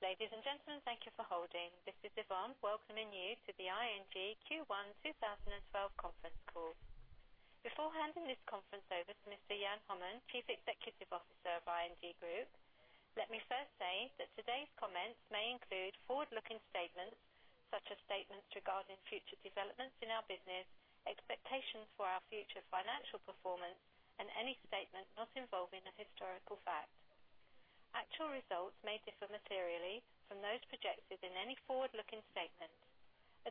Ladies and gentlemen, thank you for holding. This is Yvonne welcoming you to the ING Q1 2012 conference call. Before handing this conference over to Mr. Jan Hommen, Chief Executive Officer of ING Groep, let me first say that today's comments may include forward-looking statements, such as statements regarding future developments in our business, expectations for our future financial performance, and any statement not involving a historical fact. Actual results may differ materially from those projected in any forward-looking statement.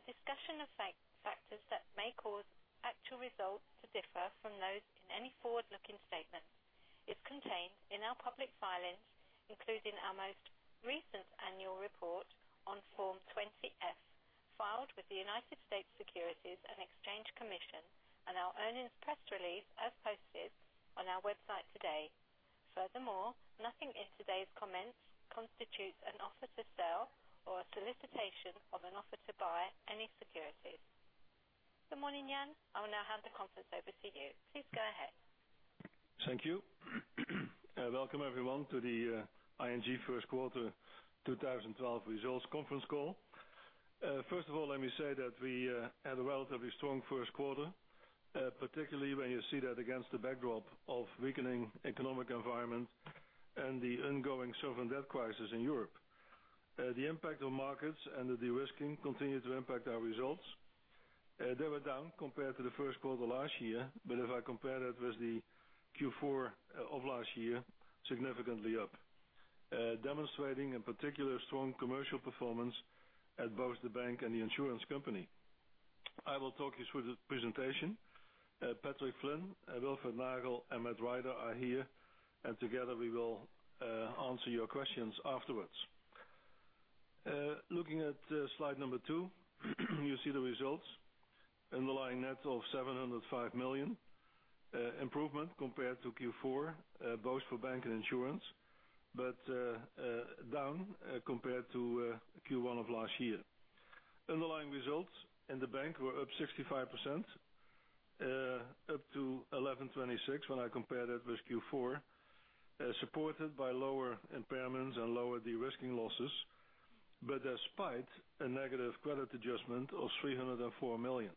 A discussion of factors that may cause actual results to differ from those in any forward-looking statement is contained in our public filings, including our most recent annual report on Form 20-F, filed with the United States Securities and Exchange Commission, and our earnings press release as posted on our website today. Nothing in today's comments constitutes an offer to sell or a solicitation of an offer to buy any securities. Good morning, Jan. I will now hand the conference over to you. Please go ahead. Thank you. Welcome everyone to the ING first quarter 2012 results conference call. First of all, let me say that we had a relatively strong first quarter, particularly when you see that against the backdrop of weakening economic environment and the ongoing sovereign debt crisis in Europe. The impact on markets and the de-risking continued to impact our results. They were down compared to the first quarter last year, but if I compare that with the Q4 of last year, significantly up. Demonstrating a particular strong commercial performance at both the bank and the insurance company. I will talk you through the presentation. Patrick Flynn, Wilfred Nagel, and Matt Rider are here, and together we will answer your questions afterwards. Looking at slide number 2, you see the results. Underlying net of 705 million. Improvement compared to Q4, both for bank and insurance, but down compared to Q1 of last year. Underlying results in the bank were up 65%, up to 1,126 when I compare that with Q4, supported by lower impairments and lower de-risking losses, but despite a negative credit adjustment of 304 million.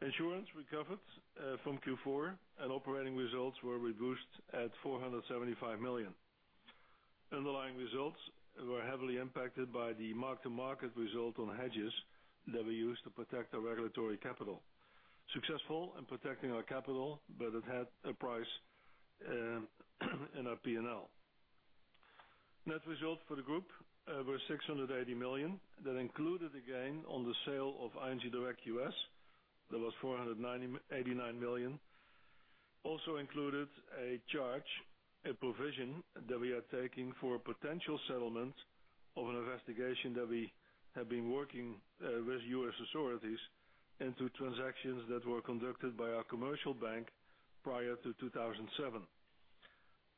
Insurance recovered from Q4 and operating results were reduced at 475 million. Underlying results were heavily impacted by the mark-to-market result on hedges that we used to protect our regulatory capital. Successful in protecting our capital, but it had a price in our P&L. Net results for the group were 680 million. That included a gain on the sale of ING Direct US. That was 489 million. Also included a charge, a provision that we are taking for potential settlement of an investigation that we have been working with U.S. authorities into transactions that were conducted by our commercial bank prior to 2007.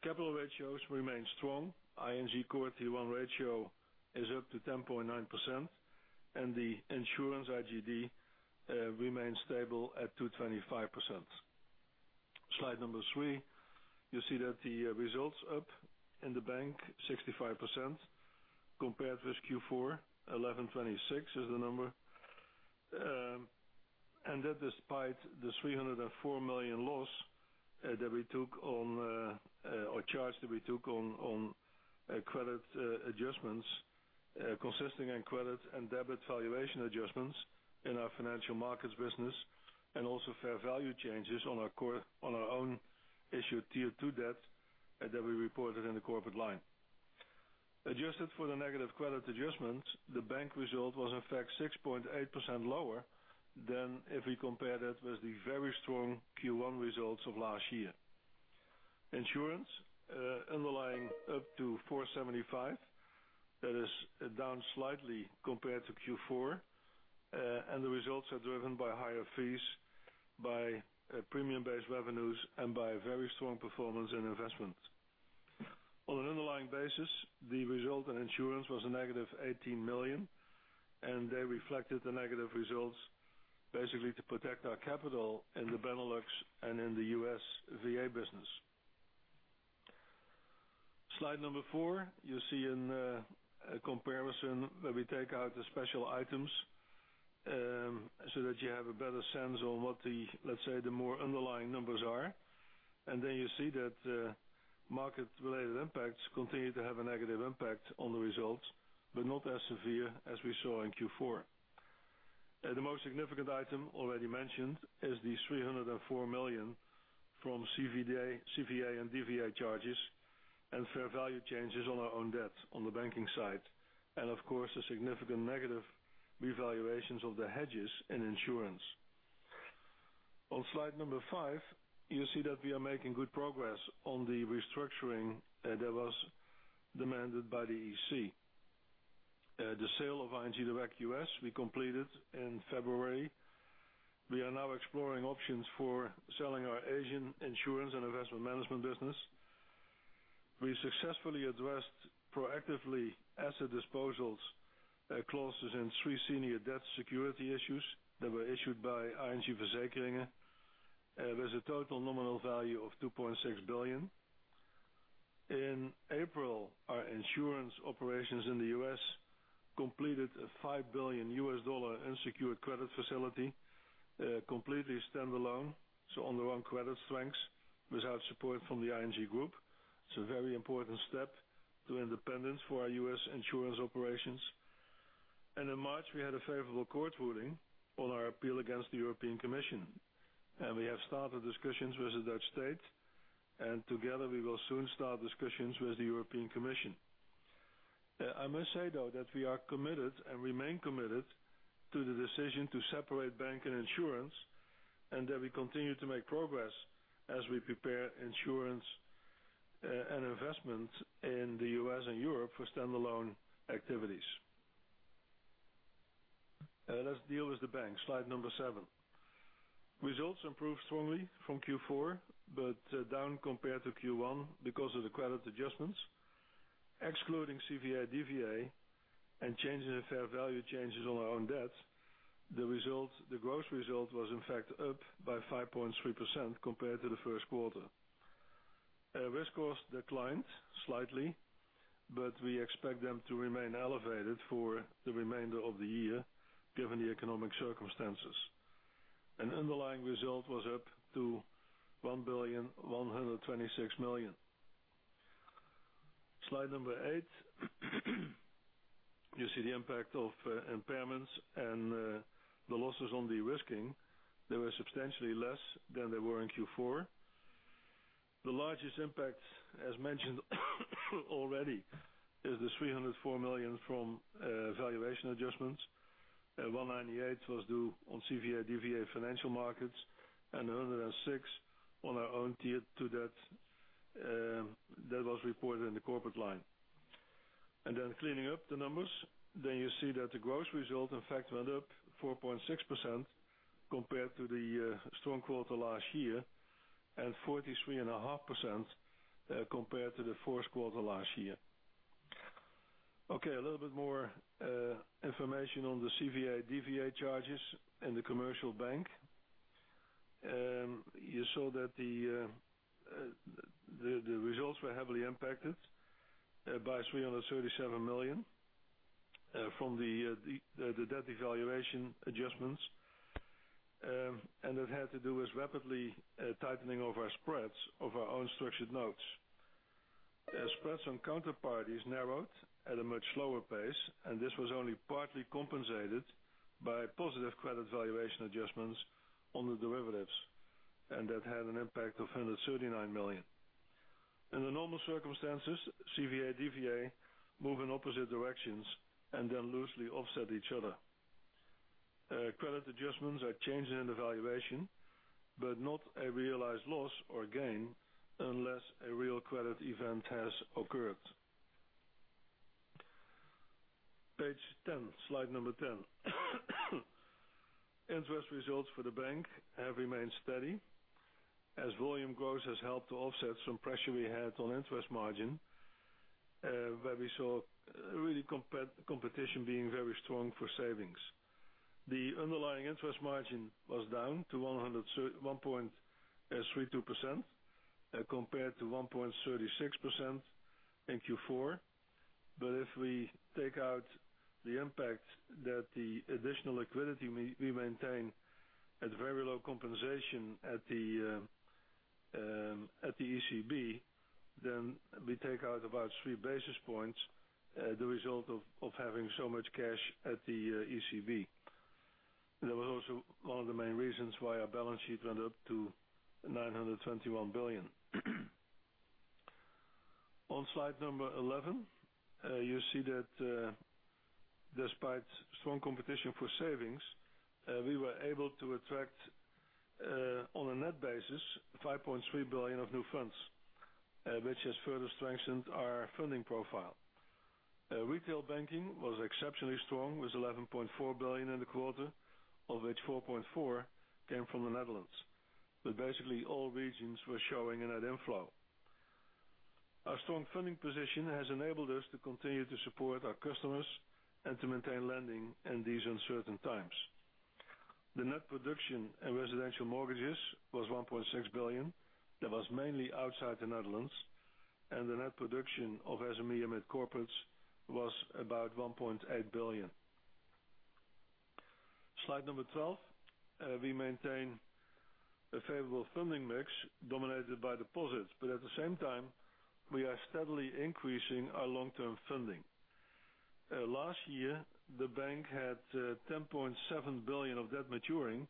Capital ratios remain strong. ING Core Tier 1 ratio is up to 10.9%, and the insurance IGD remains stable at 225%. Slide number three, you see that the result's up in the bank 65% compared with Q4, 1,126 is the number. That despite the 304 million loss that we took on credit adjustments consisting on credit and debit valuation adjustments in our financial markets business, and also fair value changes on our own issue Tier 2 debt that we reported in the corporate line. Adjusted for the negative credit adjustments, the bank result was in fact 6.8% lower than if we compared it with the very strong Q1 results of last year. Insurance underlying up to 475 million. That is down slightly compared to Q4. The results are driven by higher fees, by premium-based revenues, and by very strong performance and investment. On an underlying basis, the result in insurance was a negative 18 million. They reflected the negative results basically to protect our capital in the Benelux and in the U.S. VA business. Slide number four, you see in a comparison where we take out the special items, that you have a better sense on what the, let's say, the more underlying numbers are. You see that market-related impacts continue to have a negative impact on the results, but not as severe as we saw in Q4. The most significant item already mentioned is the 304 million from CVA and DVA charges and fair value changes on our own debt on the banking side. Of course, the significant negative revaluations of the hedges in insurance. On slide number five, you see that we are making good progress on the restructuring that was demanded by the EC. The sale of ING Direct U.S. we completed in February. We are now exploring options for selling our Asian insurance and investment management business. We successfully addressed proactively asset disposals clauses in three senior debt security issues that were issued by ING Verzekeringen. There's a total nominal value of 2.6 billion. In April, our insurance operations in the U.S. completed a $5 billion unsecured credit facility, completely standalone, so on their own credit strengths without support from the ING Groep. It's a very important step to independence for our U.S. insurance operations. In March, we had a favorable court ruling on our appeal against the European Commission. We have started discussions with the Dutch state, and together we will soon start discussions with the European Commission. I must say, though, that we are committed and remain committed to the decision to separate bank and insurance, and that we continue to make progress as we prepare insurance, and investment in the U.S. and Europe for standalone activities. Let's deal with the bank. Slide number seven. Results improved strongly from Q4, but down compared to Q1 because of the credit adjustments. Excluding CVA/DVA and changes in fair value changes on our own debt, the gross result was in fact up by 5.3% compared to the first quarter. Risk cost declined slightly, we expect them to remain elevated for the remainder of the year, given the economic circumstances. Underlying result was up to 1.126 billion. Slide number eight. You see the impact of impairments and the losses on de-risking, they were substantially less than they were in Q4. The largest impact, as mentioned already, is the 304 million from valuation adjustments. 198 was due on CVA/DVA financial markets and 106 on our own Tier 2 debt. That was reported in the corporate line. Cleaning up the numbers, then you see that the gross result in fact went up 4.6% compared to the strong quarter last year and 43.5% compared to the fourth quarter last year. Okay, a little bit more information on the CVA/DVA charges in the commercial bank. You saw that the results were heavily impacted by 337 million from the debt evaluation adjustments. It had to do with rapidly tightening of our spreads of our own structured notes. As spreads on counterparties narrowed at a much slower pace, and this was only partly compensated by positive credit valuation adjustments on the derivatives. That had an impact of 239 million. In the normal circumstances, CVA/DVA move in opposite directions and then loosely offset each other. Credit adjustments are changing in the valuation, but not a realized loss or gain unless a real credit event has occurred. Page 10, slide number 10. Interest results for the bank have remained steady as volume growth has helped to offset some pressure we had on interest margin, where we saw competition being very strong for savings. The underlying interest margin was down to 1.32% compared to 1.36% in Q4. If we take out the impact that the additional liquidity we maintain at very low compensation at the ECB, then we take out about three basis points, the result of having so much cash at the ECB. That was also one of the main reasons why our balance sheet went up to 921 billion. On slide number 11, you see that despite strong competition for savings, we were able to attract, on a net basis, 5.3 billion of new funds. Which has further strengthened our funding profile. Retail banking was exceptionally strong, with 11.4 billion in the quarter, of which 4.4 came from the Netherlands, but basically all regions were showing a net inflow. Our strong funding position has enabled us to continue to support our customers and to maintain lending in these uncertain times. The net production in residential mortgages was 1.6 billion. That was mainly outside the Netherlands. The net production of SME and mid-corporates was about 1.8 billion. Slide number 12. We maintain a favorable funding mix dominated by deposits, but at the same time, we are steadily increasing our long-term funding. Last year, the bank had 10.7 billion of debt maturing,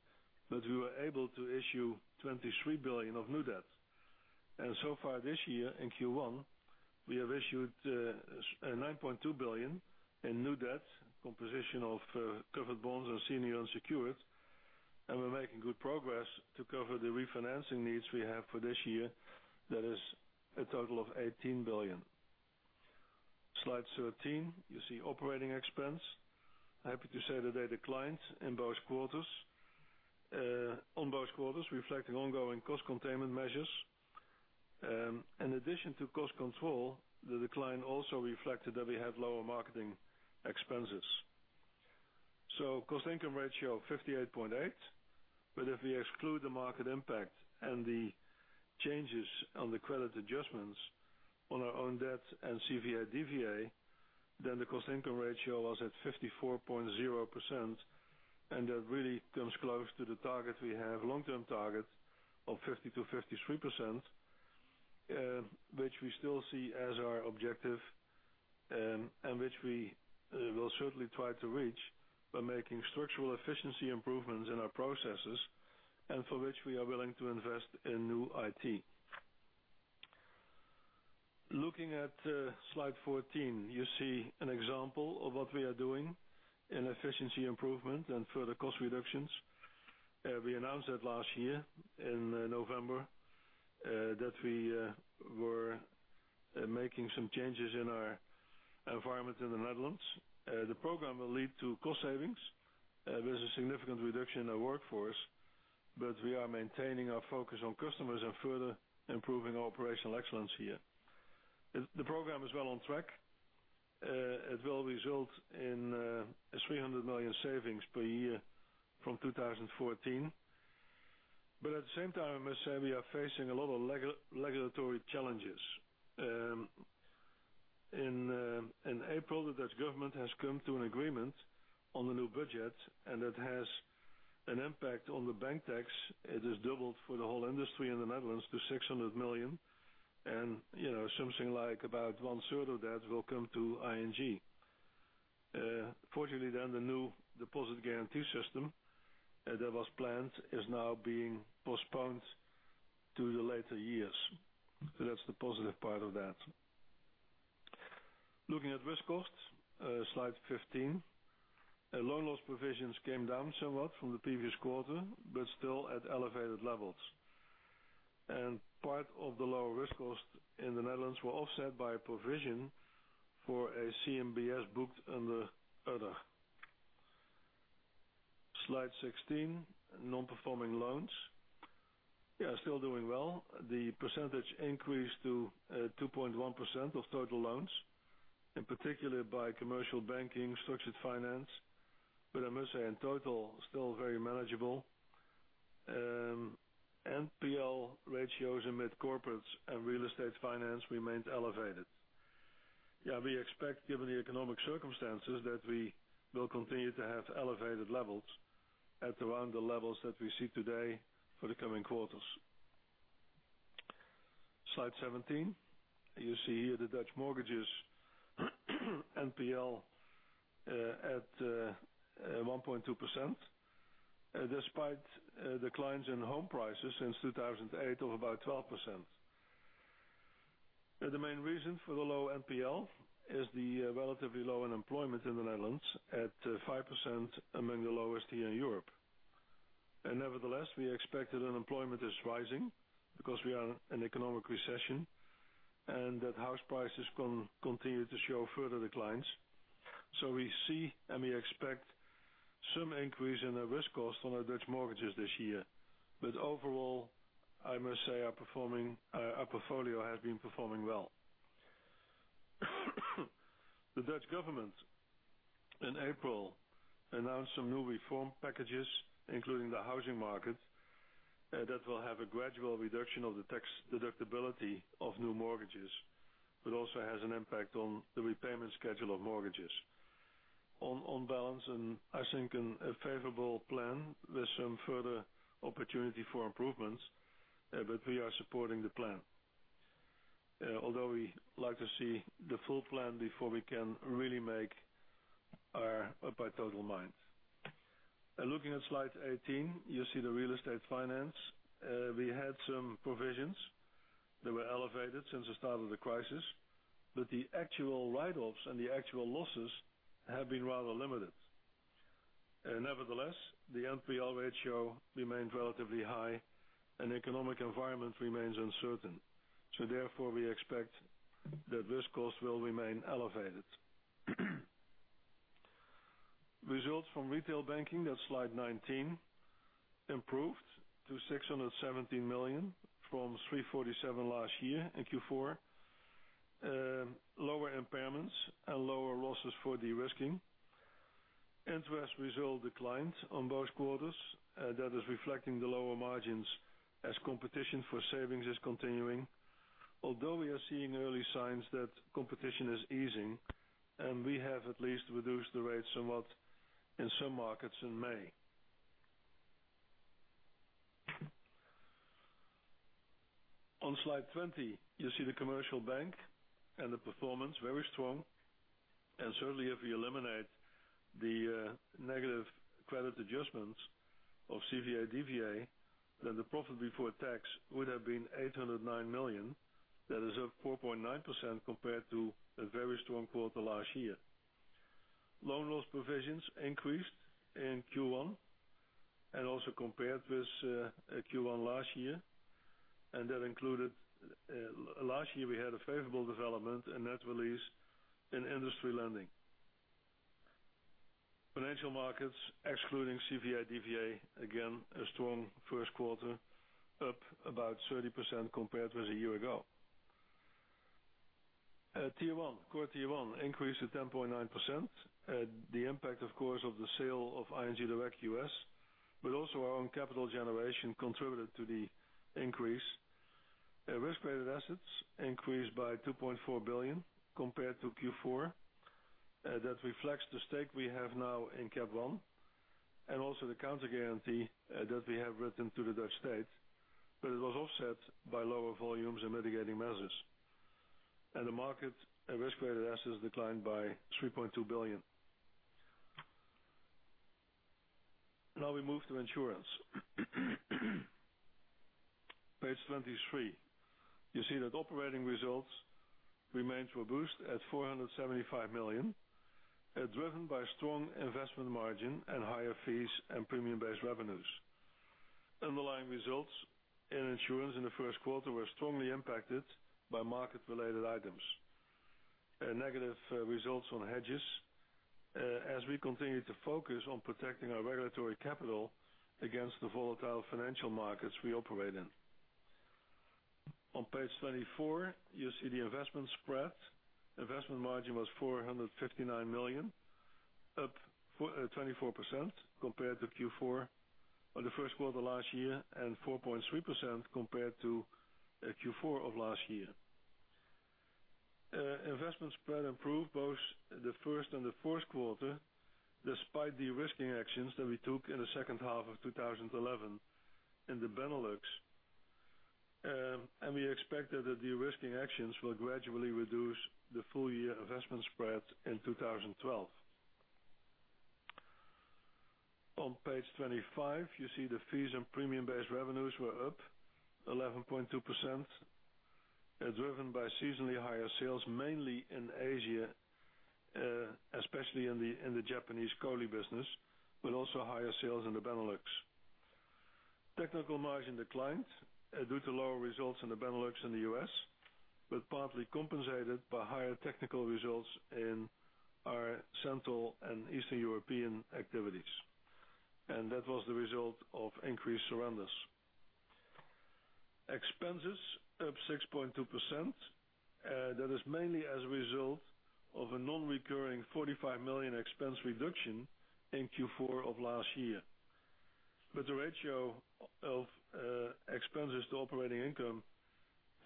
but we were able to issue 23 billion of new debt. So far this year, in Q1, we have issued 9.2 billion in new debt, composition of covered bonds and senior unsecured. We are making good progress to cover the refinancing needs we have for this year. That is a total of 18 billion. Slide 13, you see operating expense. Happy to say that they declined in both quarters. On both quarters reflecting ongoing cost containment measures. In addition to cost control, the decline also reflected that we had lower marketing expenses. Cost income ratio 58.8%. If we exclude the market impact and the changes on the credit adjustments on our own debt and CVA DVA, the cost income ratio was at 54.0%, that really comes close to the long-term target we have of 50%-53%, which we still see as our objective and which we will certainly try to reach by making structural efficiency improvements in our processes and for which we are willing to invest in new IT. Looking at slide 14, you see an example of what we are doing in efficiency improvement and further cost reductions. We announced that last year in November, that we were making some changes in our environment in the Netherlands. The program will lead to cost savings with a significant reduction in our workforce. We are maintaining our focus on customers and further improving operational excellence here. The program is well on track. It will result in 300 million savings per year from 2014. At the same time, I must say, we are facing a lot of regulatory challenges. In April, the Dutch government has come to an agreement on the new budget, it has an impact on the bank tax. It is doubled for the whole industry in the Netherlands to 600 million. Something like about one third of that will come to ING. Fortunately, the new Deposit Guarantee system that was planned is now being postponed to the later years. That's the positive part of that. Looking at risk cost, slide 15. Loan loss provisions came down somewhat from the previous quarter, still at elevated levels. Part of the lower risk cost in the Netherlands were offset by a provision for a CMBS booked under other. Slide 16, non-performing loans. Still doing well. The percentage increased to 2.1% of total loans, in particular by commercial banking, structured finance. I must say in total, still very manageable. NPL ratios amid corporates and real estate finance remained elevated. We expect, given the economic circumstances, that we will continue to have elevated levels at around the levels that we see today for the coming quarters. Slide 17. You see here the Dutch mortgages NPL at 1.2%, despite declines in home prices since 2008 of about 12%. The main reason for the low NPL is the relatively low unemployment in the Netherlands at 5%, among the lowest here in Europe. We expect that unemployment is rising because we are in economic recession and that house prices can continue to show further declines. We see and we expect some increase in our risk cost on our Dutch mortgages this year. Overall, I must say, our portfolio has been performing well. The Dutch government in April announced some new reform packages, including the housing market, that will have a gradual reduction of the tax deductibility of new mortgages, also has an impact on the repayment schedule of mortgages. On balance, I think a favorable plan with some further opportunity for improvements, we are supporting the plan. We like to see the full plan before we can really make up our total mind. Looking at slide 18, you see the real estate finance. We had some provisions that were elevated since the start of the crisis, the actual write-offs and the actual losses have been rather limited. Nevertheless, the NPL ratio remains relatively high and economic environment remains uncertain. Therefore, we expect that risk cost will remain elevated. Results from retail banking, that's slide 19, improved to 617 million from 347 last year in Q4. Lower impairments and lower losses for de-risking. Interest result declined on both quarters. That is reflecting the lower margins as competition for savings is continuing. Although we are seeing early signs that competition is easing, we have at least reduced the rates somewhat in some markets in May. On slide 20, you see the commercial bank and the performance, very strong. Certainly if we eliminate the negative credit adjustments of CVA DVA, then the profit before tax would have been 809 million. That is up 4.9% compared to a very strong quarter last year. Loan loss provisions increased in Q1 and also compared with Q1 last year. Last year we had a favorable development and net release in industry lending. Financial markets, excluding CVA DVA, again, a strong first quarter, up about 30% compared with a year ago. Tier 1, Core Tier 1 increased to 10.9%. The impact, of course, of the sale of ING Direct US, also our own capital generation contributed to the increase. Risk-weighted assets increased by 2.4 billion compared to Q4. That reflects the stake we have now in Cap One, also the counter-guarantee that we have written to the Dutch state. It was offset by lower volumes and mitigating measures. The market risk-weighted assets declined by EUR 3.2 billion. Now we move to insurance. Page 23, you see that operating results remained robust at 475 million, driven by strong investment margin and higher fees and premium-based revenues. Underlying results in insurance in the first quarter were strongly impacted by market-related items. Negative results on hedges as we continue to focus on protecting our regulatory capital against the volatile financial markets we operate in. On page 24, you see the investment spread. Investment margin was 459 million, up 24% compared to Q4 of the first quarter last year, 4.3% compared to Q4 of last year. Investment spread improved both the first and the fourth quarter, despite de-risking actions that we took in the second half of 2011 in the Benelux. We expected that de-risking actions will gradually reduce the full-year investment spread in 2012. On page 25, you see the fees and premium-based revenues were up 11.2%, driven by seasonally higher sales, mainly in Asia, especially in the Japanese COLI business, but also higher sales in the Benelux. Technical margin declined due to lower results in the Benelux and the U.S., but partly compensated by higher technical results in our Central and Eastern European activities. That was the result of increased surrenders. Expenses up 6.2%. That is mainly as a result of a non-recurring 45 million expense reduction in Q4 of last year. The ratio of expenses to operating income,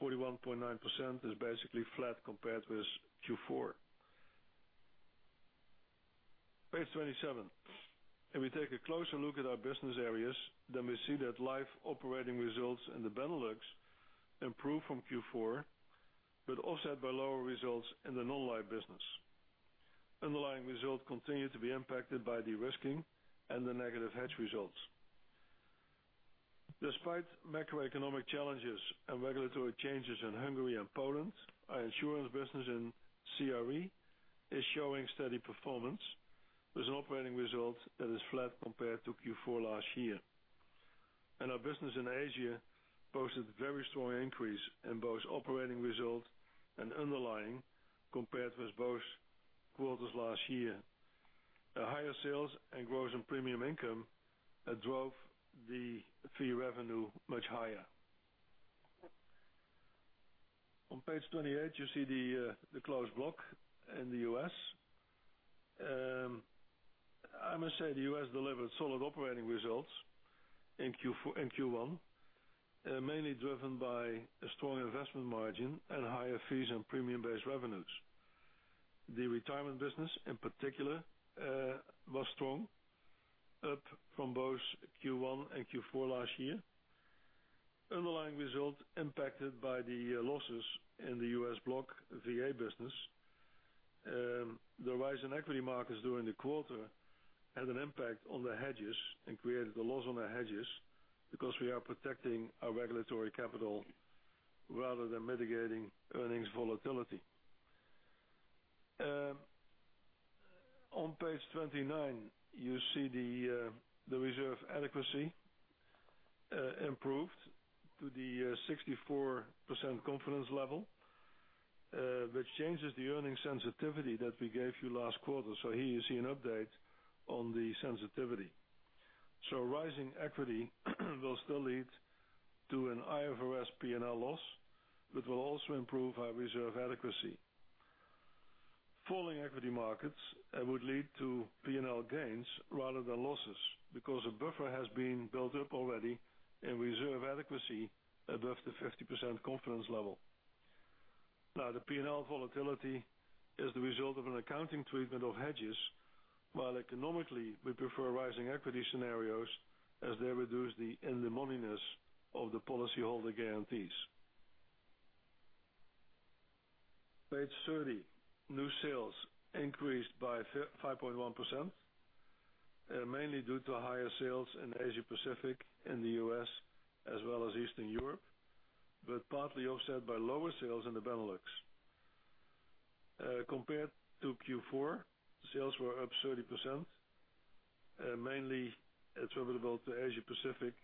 41.9%, is basically flat compared with Q4. Page 27. If we take a closer look at our business areas, then we see that life operating results in the Benelux improved from Q4, but offset by lower results in the non-life business. Underlying results continue to be impacted by de-risking and the negative hedge results. Despite macroeconomic challenges and regulatory changes in Hungary and Poland, our insurance business in CRE is showing steady performance with an operating result that is flat compared to Q4 last year. Our business in Asia posted a very strong increase in both operating results and underlying compared with both quarters last year. Higher sales and growth in premium income drove the fee revenue much higher. On page 28, you see the closed block in the U.S. I must say, the U.S. delivered solid operating results in Q1, mainly driven by a strong investment margin and higher fees and premium-based revenues. The retirement business in particular was strong, up from both Q1 and Q4 last year. Underlying results impacted by the losses in the U.S. block VA business. The rise in equity markets during the quarter had an impact on the hedges and created a loss on the hedges because we are protecting our regulatory capital rather than mitigating earnings volatility. On page 29, you see the reserve adequacy improved to the 64% confidence level, which changes the earnings sensitivity that we gave you last quarter. Here you see an update on the sensitivity. Rising equity will still lead to an IFRS P&L loss, but will also improve our reserve adequacy. Falling equity markets would lead to P&L gains rather than losses because a buffer has been built up already in reserve adequacy above the 50% confidence level. The P&L volatility is the result of an accounting treatment of hedges, while economically we prefer rising equity scenarios as they reduce the in-the-moneyness of the policyholder guarantees. Page 30. New sales increased by 5.1%, mainly due to higher sales in Asia-Pacific, in the U.S., as well as Eastern Europe, but partly offset by lower sales in the Benelux. Compared to Q4, sales were up 30%, mainly attributable to Asia-Pacific,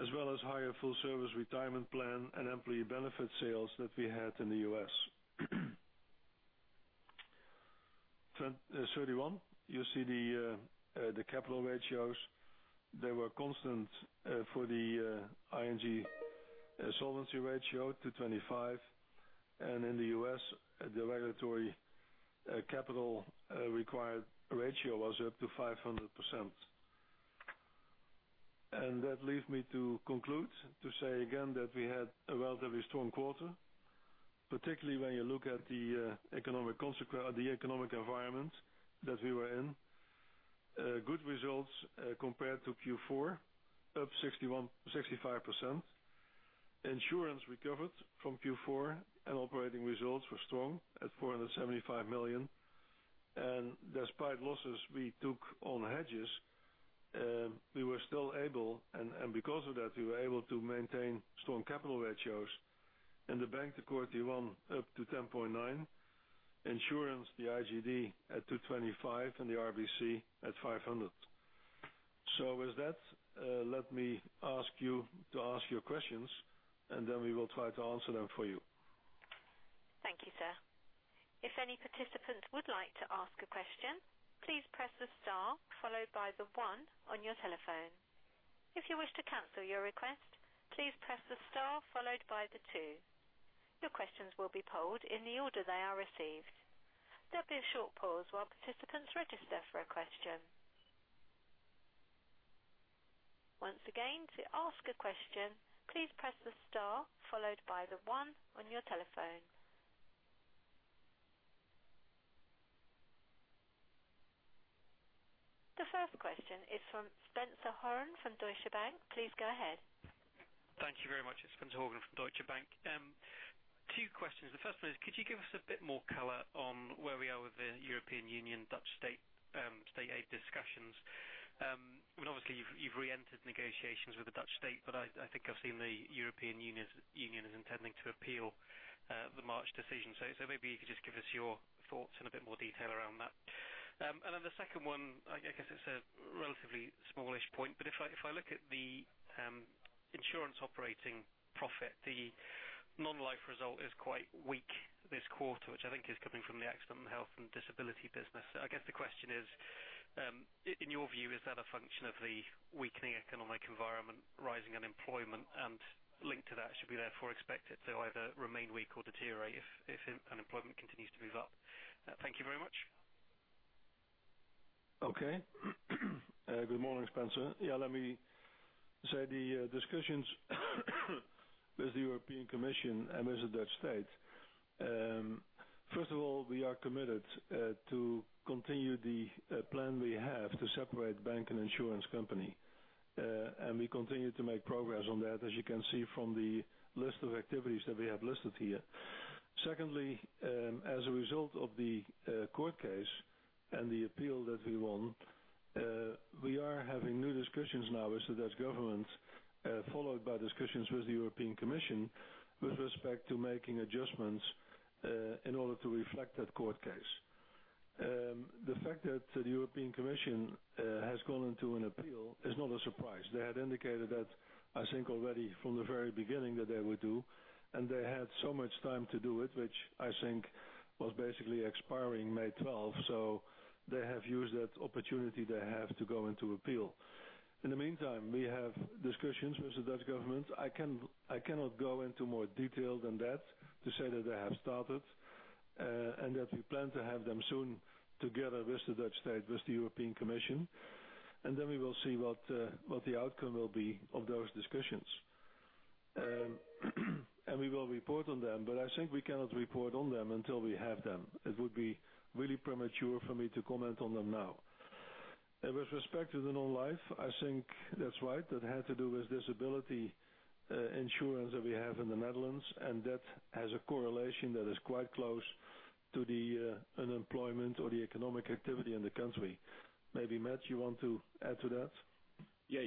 as well as higher full-service retirement plan and employee benefit sales that we had in the U.S. Page 31, you see the capital ratios. They were constant for the ING solvency ratio to 25, and in the U.S., the regulatory capital required ratio was up to 500%. That leads me to conclude, to say again, that we had a relatively strong quarter, particularly when you look at the economic environment that we were in. Good results compared to Q4, up 65%. Insurance recovered from Q4, operating results were strong at 475 million. Despite losses we took on hedges, we were still able, and because of that, we were able to maintain strong capital ratios. In the Bank, the Core Tier 1 up to 10.9, Insurance, the IGD at 225 and the RBC at 500. With that, let me ask you to ask your questions, and then we will try to answer them for you. Thank you, sir. If any participant would like to ask a question, please press the star followed by the one on your telephone. If you wish to cancel your request, please press the star followed by the two. Your questions will be polled in the order they are received. There'll be a short pause while participants register for a question. Once again, to ask a question, please press the star followed by the one on your telephone. The first question is from Spencer Horgan from Deutsche Bank. Please go ahead. Thank you very much. It's Spencer Horgan from Deutsche Bank. Two questions. The first one is could you give us a bit more color on where we are with the European Union Dutch state aid discussions? Obviously, you've reentered negotiations with the Dutch state. I think I've seen the European Union is intending to appeal the March decision. Maybe you could just give us your thoughts and a bit more detail around that. The second one, I guess it's a relatively smallish point, but if I look at the insurance operating profit, the non-life result is quite weak this quarter, which I think is coming from the accident and health and disability business. I guess the question is, in your view, is that a function of the weakening economic environment, rising unemployment, and linked to that, should we therefore expect it to either remain weak or deteriorate if unemployment continues to move up? Thank you very much. Okay. Good morning, Spencer. Let me say the discussions with the European Commission and with the Dutch state. First of all, we are committed to continue the plan we have to separate bank and insurance company. We continue to make progress on that, as you can see from the list of activities that we have listed here. Secondly, as a result of the court case and the appeal that we won, we are having new discussions now with the Dutch government, followed by discussions with the European Commission with respect to making adjustments in order to reflect that court case. The fact that the European Commission has gone into an appeal is not a surprise. They had indicated that, I think, already from the very beginning that they would do. They had so much time to do it, which I think was basically expiring May 12th. They have used that opportunity they have to go into appeal. In the meantime, we have discussions with the Dutch government. I cannot go into more detail than that to say that they have started, that we plan to have them soon together with the Dutch state, with the European Commission, then we will see what the outcome will be of those discussions. We will report on them, but I think we cannot report on them until we have them. It would be really premature for me to comment on them now. With respect to the non-life, I think that's right. That had to do with disability insurance that we have in the Netherlands, and that has a correlation that is quite close to the unemployment or the economic activity in the country. Maybe Matt, you want to add to that? Yeah.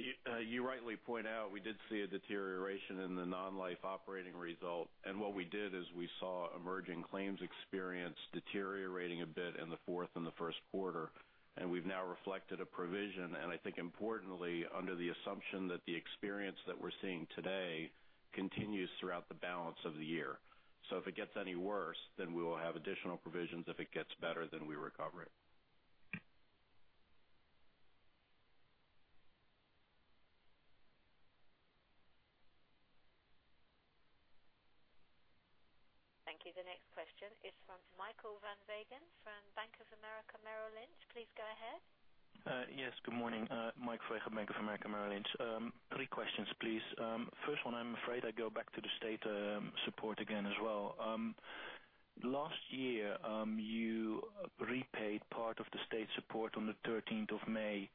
You rightly point out we did see a deterioration in the non-life operating result. What we did is we saw emerging claims experience deteriorating a bit in the fourth and the first quarter, we've now reflected a provision, I think importantly, under the assumption that the experience that we're seeing today continues throughout the balance of the year. If it gets any worse, we will have additional provisions. If it gets better, we recover it. Thank you. The next question is from Michael van Wegen from Bank of America Merrill Lynch. Please go ahead. Yes, good morning. Michael van Wegen, Bank of America Merrill Lynch. Three questions, please. First one, I'm afraid I go back to the state support again as well. Last year, you repaid part of the state support on the 13th of May.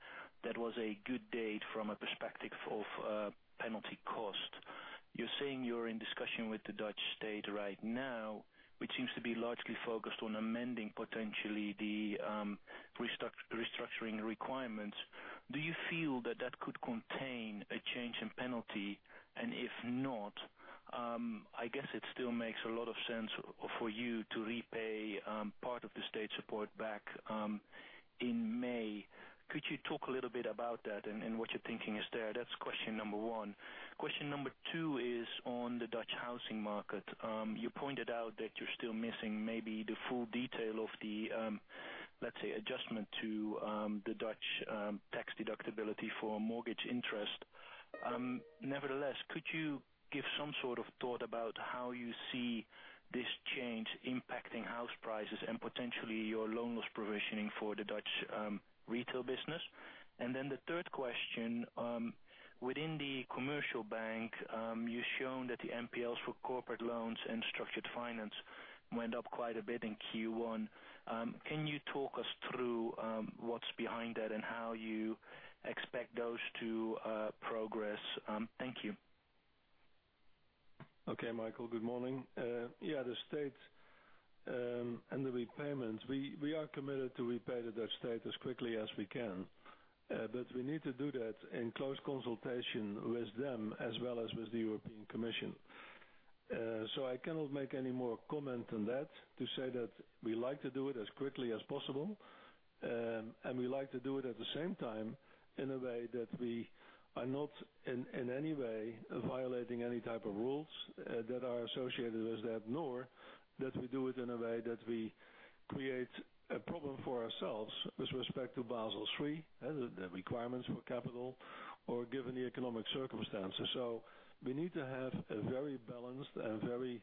That was a good date from a perspective of penalty cost. You're saying you're in discussion with the Dutch state right now, which seems to be largely focused on amending potentially the restructuring requirements. Do you feel that that could contain a change in penalty? If not, I guess it still makes a lot of sense for you to repay part of the state support back in May. Could you talk a little bit about that and what your thinking is there? That's question number 1. Question number 2 is on the Dutch housing market. You pointed out that you're still missing maybe the full detail of the, let's say, adjustment to the Dutch tax deductibility for mortgage interest. Could you give some sort of thought about how you see this change impacting house prices and potentially your loan loss provisioning for the Dutch retail business? The third question, within the commercial bank, you've shown that the NPLs for corporate loans and structured finance went up quite a bit in Q1. Can you talk us through what's behind that and how you expect those to progress? Thank you. Okay, Michael, good morning. The state and the repayments. We are committed to repay the Dutch state as quickly as we can. We need to do that in close consultation with them, as well as with the European Commission. I cannot make any more comment on that to say that we like to do it as quickly as possible. We like to do it at the same time in a way that we are not in any way violating any type of rules that are associated with that, nor that we do it in a way that we create a problem for ourselves with respect to Basel III, the requirements for capital, or given the economic circumstances. We need to have a very balanced and very,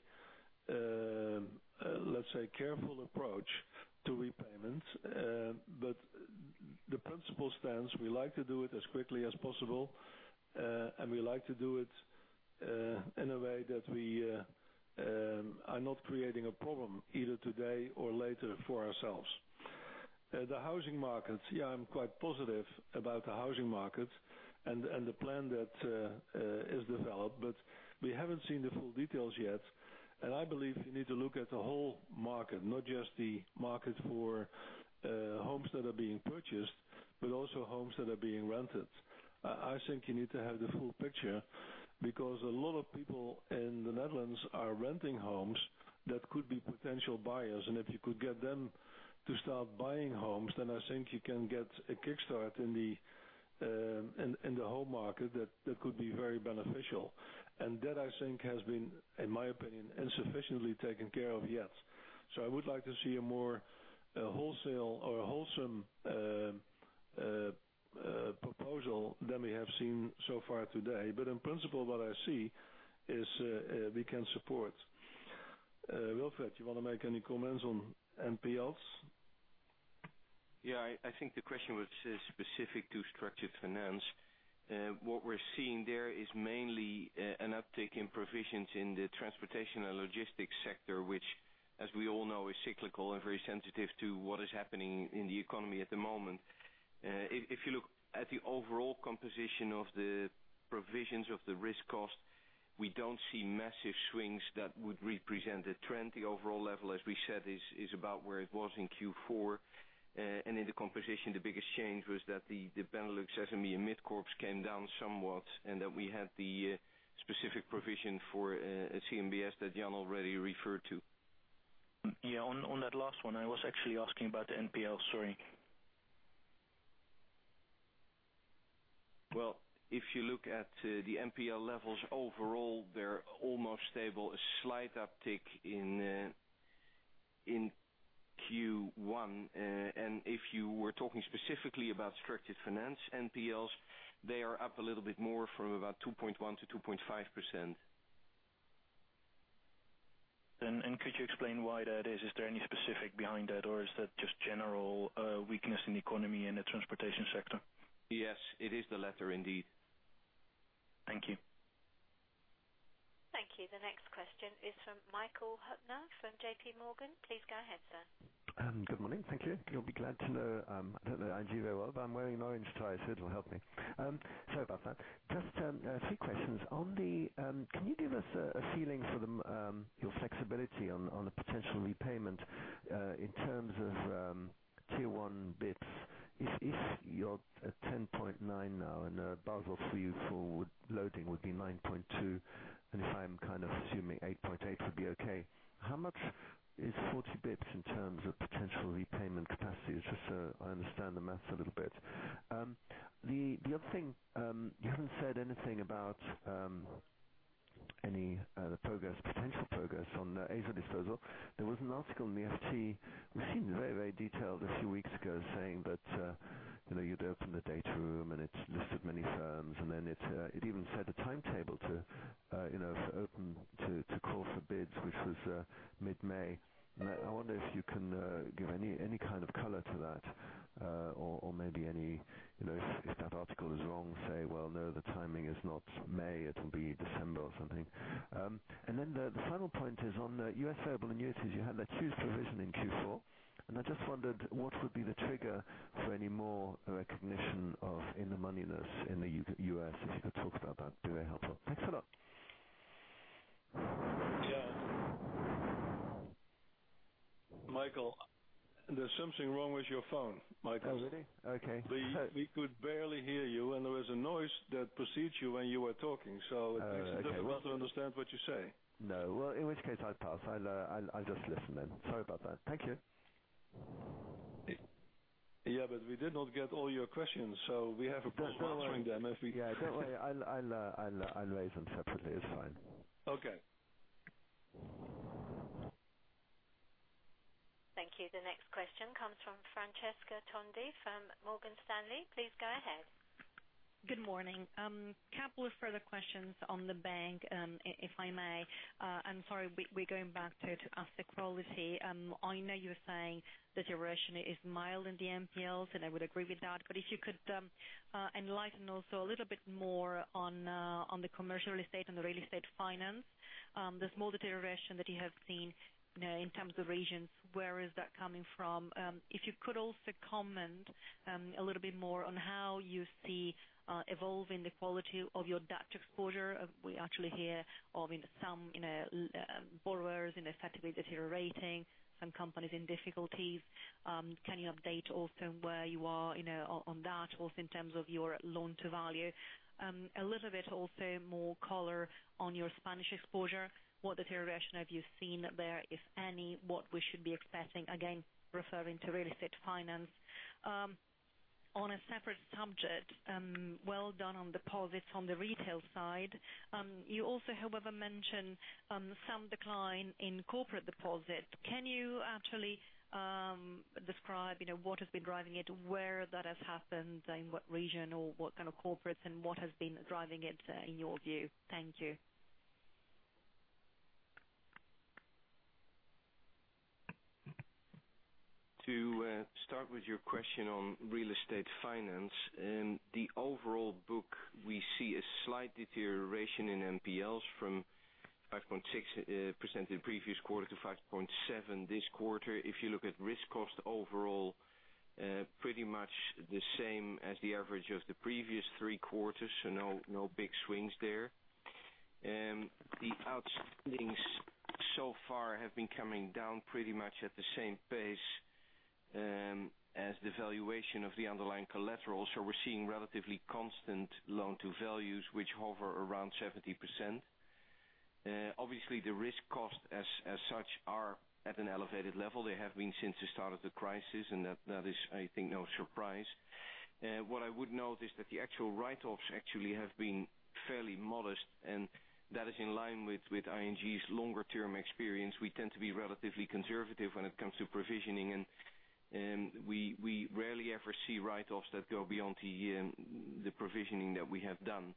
let's say, careful approach to repayments. The principle stands. We like to do it as quickly as possible, and we like to do it in a way that we are not creating a problem, either today or later, for ourselves. The housing markets. I'm quite positive about the housing market and the plan that is developed, we haven't seen the full details yet. I believe you need to look at the whole market, not just the market for homes that are being purchased, but also homes that are being rented. I think you need to have the full picture because a lot of people in the Netherlands are renting homes that could be potential buyers, and if you could get them to start buying homes, then I think you can get a kickstart in the home market that could be very beneficial. That I think has been, in my opinion, insufficiently taken care of yet. I would like to see a more wholesale or wholesome proposal than we have seen so far today. In principle, what I see is we can support. Wilfred, you want to make any comments on NPLs? I think the question was specific to structured finance. What we're seeing there is mainly an uptick in provisions in the transportation and logistics sector, which, as we all know, is cyclical and very sensitive to what is happening in the economy at the moment. If you look at the overall composition of the provisions of the risk cost, we don't see massive swings that would represent a trend. The overall level, as we said, is about where it was in Q4. In the composition, the biggest change was that the Benelux, SME, and Mid-Corps came down somewhat, and that we had the specific provision for CMBS that Jan already referred to. On that last one, I was actually asking about the NPLs, sorry. If you look at the NPL levels overall, they're almost stable. A slight uptick in Q1. If you were talking specifically about structured finance NPLs, they are up a little bit more from about 2.1%-2.5%. Could you explain why that is? Is there any specific behind that, or is that just general weakness in the economy and the transportation sector? Yes, it is the latter indeed. Thank you. Thank you. The next question is from Michael Huttner from JPMorgan. Please go ahead, sir. Good morning. Thank you. You'll be glad to know I don't know ING very well, but I'm wearing an orange tie, so it'll help me. Sorry about that. Just three questions. Can you give us a feeling for your flexibility on the potential repayment in terms of Tier 1 bips? You're at 10.9 now and Basel for you for loading would be 9.2, and if I'm kind of assuming 8.8 would be okay. How much is 40 bips in terms of potential repayment capacity? It's just so I understand the maths a little bit. The other thing, you haven't said anything about any potential progress on the Asia disposal. There was an article in the FT, which seemed very detailed a few weeks ago, saying that you'd opened the data room, and it listed many firms, and then it even set a timetable to call for bids, which was mid-May. I wonder if you can give any kind of color to that. Maybe if that article is wrong, say, "Well, no, the timing is not May, it'll be December or something." The final point is on the U.S. variable annuities. You had that huge provision in Q4, and I just wondered what would be the trigger for any more recognition of in-the-moneyness in the U.S. If you could talk about that, it'd be very helpful. Thanks a lot. Yeah. Michael, there's something wrong with your phone, Michael. Really? Okay. We could barely hear you. There was a noise that precedes you when you were talking. It makes it difficult to understand what you say. No. Well, in which case I pass. I'll just listen then. Sorry about that. Thank you. Yeah, we did not get all your questions. We have a problem answering them if we- Don't worry. I'll raise them separately. It's fine. Okay. Thank you. The next question comes from Francesca Tondi from Morgan Stanley. Please go ahead. Good morning. Couple of further questions on the bank, if I may. I'm sorry, we're going back to asset quality. I know you're saying deterioration is mild in the NPLs, and I would agree with that. If you could enlighten also a little bit more on the commercial real estate and the real estate finance, the small deterioration that you have seen in terms of regions, where is that coming from? If you could also comment a little bit more on how you see evolving the quality of your debt exposure. We actually hear of some borrowers effectively deteriorating, some companies in difficulties. Can you update also where you are on that, also in terms of your loan-to-value? A little bit also more color on your Spanish exposure. What deterioration have you seen there, if any? What we should be expecting, again, referring to real estate finance. On a separate subject, well done on deposits on the retail side. You also, however, mentioned some decline in corporate deposits. Can you actually describe what has been driving it, where that has happened, in what region, or what kind of corporates, and what has been driving it, in your view? Thank you. To start with your question on real estate finance. The overall book, we see a slight deterioration in NPLs from 5.6% in the previous quarter to 5.7% this quarter. If you look at risk cost overall, pretty much the same as the average of the previous three quarters, no big swings there. We're seeing relatively constant loan-to-values, which hover around 70%. Obviously, the risk costs as such are at an elevated level. They have been since the start of the crisis, and that is, I think, no surprise. What I would note is that the actual write-offs actually have been fairly modest, and that is in line with ING's longer-term experience. We tend to be relatively conservative when it comes to provisioning, we rarely ever see write-offs that go beyond the provisioning that we have done.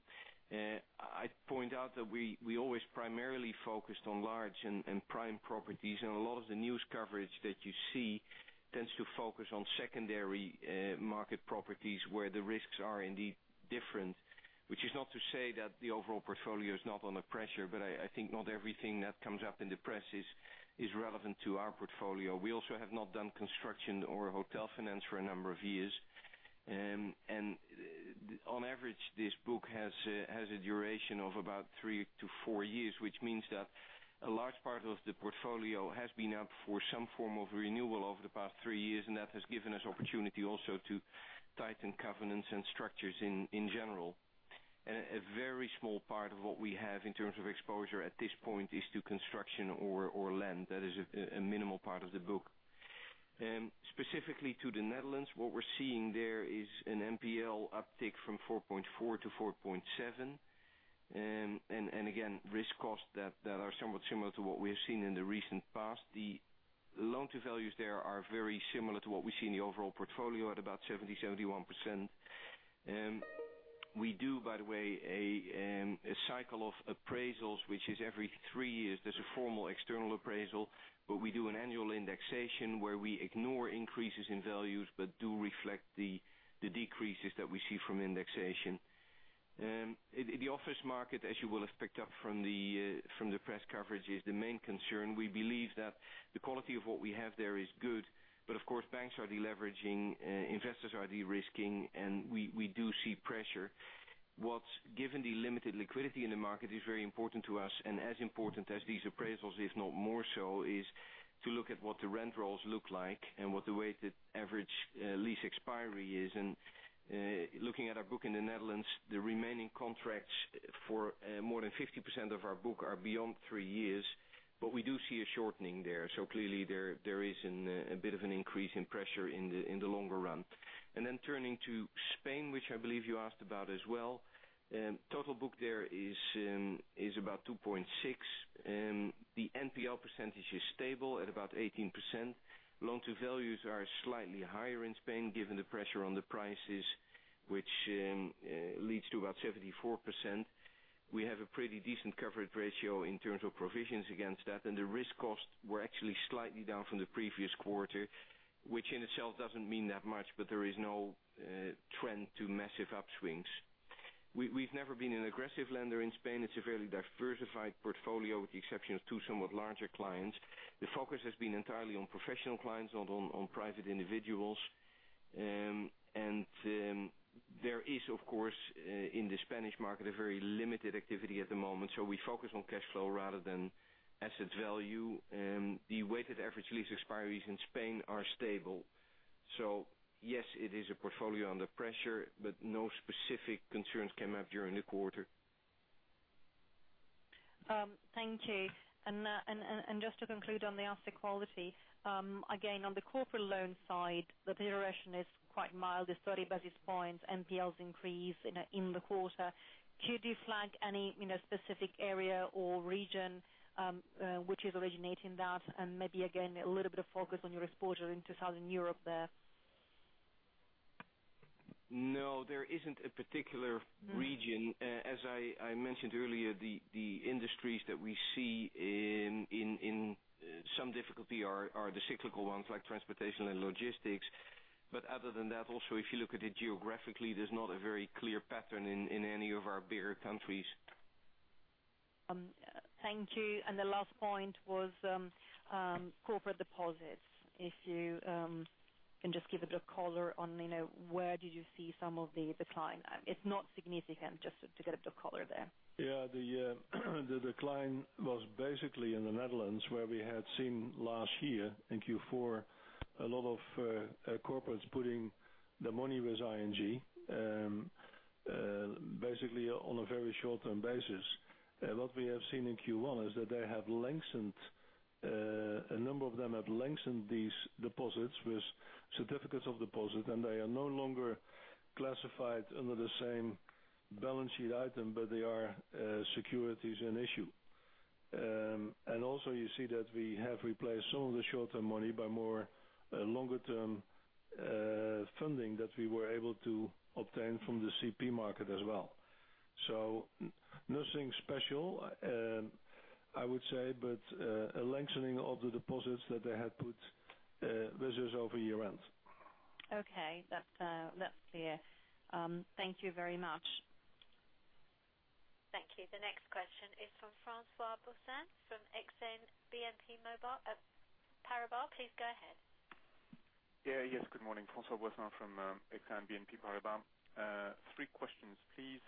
I'd point out that we always primarily focused on large and prime properties, a lot of the news coverage that you see tends to focus on secondary market properties where the risks are indeed different. Which is not to say that the overall portfolio is not under pressure, I think not everything that comes up in the press is relevant to our portfolio. We also have not done construction or hotel finance for a number of years. On average, this book has a duration of about three to four years, which means that a large part of the portfolio has been up for some form of renewal over the past three years, and that has given us opportunity also to tighten covenants and structures in general. A very small part of what we have in terms of exposure at this point is to construction or land. That is a minimal part of the book. Specifically to the Netherlands, what we're seeing there is an NPL uptick from 4.4%-4.7%. Again, risk costs that are somewhat similar to what we have seen in the recent past. The loan-to-values there are very similar to what we see in the overall portfolio at about 70%-71%. We do, by the way, a cycle of appraisals, which is every three years. There's a formal external appraisal, we do an annual indexation where we ignore increases in values but do reflect the decreases that we see from indexation. The office market, as you will have picked up from the press coverage, is the main concern. We believe that the quality of what we have there is good. Of course, banks are deleveraging, investors are de-risking, and we do see pressure. What's given the limited liquidity in the market is very important to us, and as important as these appraisals, if not more so, is to look at what the rent rolls look like and what the weighted average lease expiry is. Looking at our book in the Netherlands, the remaining contracts for more than 50% of our book are beyond three years, but we do see a shortening there. Clearly there is a bit of an increase in pressure in the longer run. Turning to Spain, which I believe you asked about as well. Total book there is about 2.6 billion. The NPL percentage is stable at about 18%. loan-to-values are slightly higher in Spain, given the pressure on the prices, which leads to about 74%. We have a pretty decent coverage ratio in terms of provisions against that, and the risk costs were actually slightly down from the previous quarter, which in itself doesn't mean that much, but there is no trend to massive upswings. We've never been an aggressive lender in Spain. It's a fairly diversified portfolio with the exception of two somewhat larger clients. The focus has been entirely on professional clients, not on private individuals. There is, of course, in the Spanish market, a very limited activity at the moment, so we focus on cash flow rather than asset value. The weighted average lease expiries in Spain are stable. Yes, it is a portfolio under pressure, but no specific concerns came up during the quarter. Thank you. Just to conclude on the asset quality. Again, on the corporate loan side, the deterioration is quite mild. It's 30 basis points, NPLs increase in the quarter. Could you flag any specific area or region which is originating that and maybe, again, a little bit of focus on your exposure into Southern Europe there? No, there isn't a particular region. As I mentioned earlier, the industries that we see in some difficulty are the cyclical ones like transportation and logistics. Other than that, also, if you look at it geographically, there's not a very clear pattern in any of our bigger countries. Thank you. The last point was corporate deposits. If you can just give a bit of color on where did you see some of the decline. It's not significant, just to get a bit of color there. Yeah. The decline was basically in the Netherlands, where we had seen last year in Q4 a lot of corporates putting their money with ING, basically on a very short-term basis. What we have seen in Q1 is that a number of them have lengthened these deposits with certificates of deposit, and they are no longer classified under the same balance sheet item, but they are securities in issue. Also you see that we have replaced some of the short-term money by more longer-term funding that we were able to obtain from the CP market as well. Nothing special, I would say, but a lengthening of the deposits that they had put with us over year-end. Okay. That's clear. Thank you very much. Thank you. The next question is from François Boissin from Exane BNP Paribas. Please go ahead. Yes. Good morning. François Boissin from Exane BNP Paribas. Three questions, please.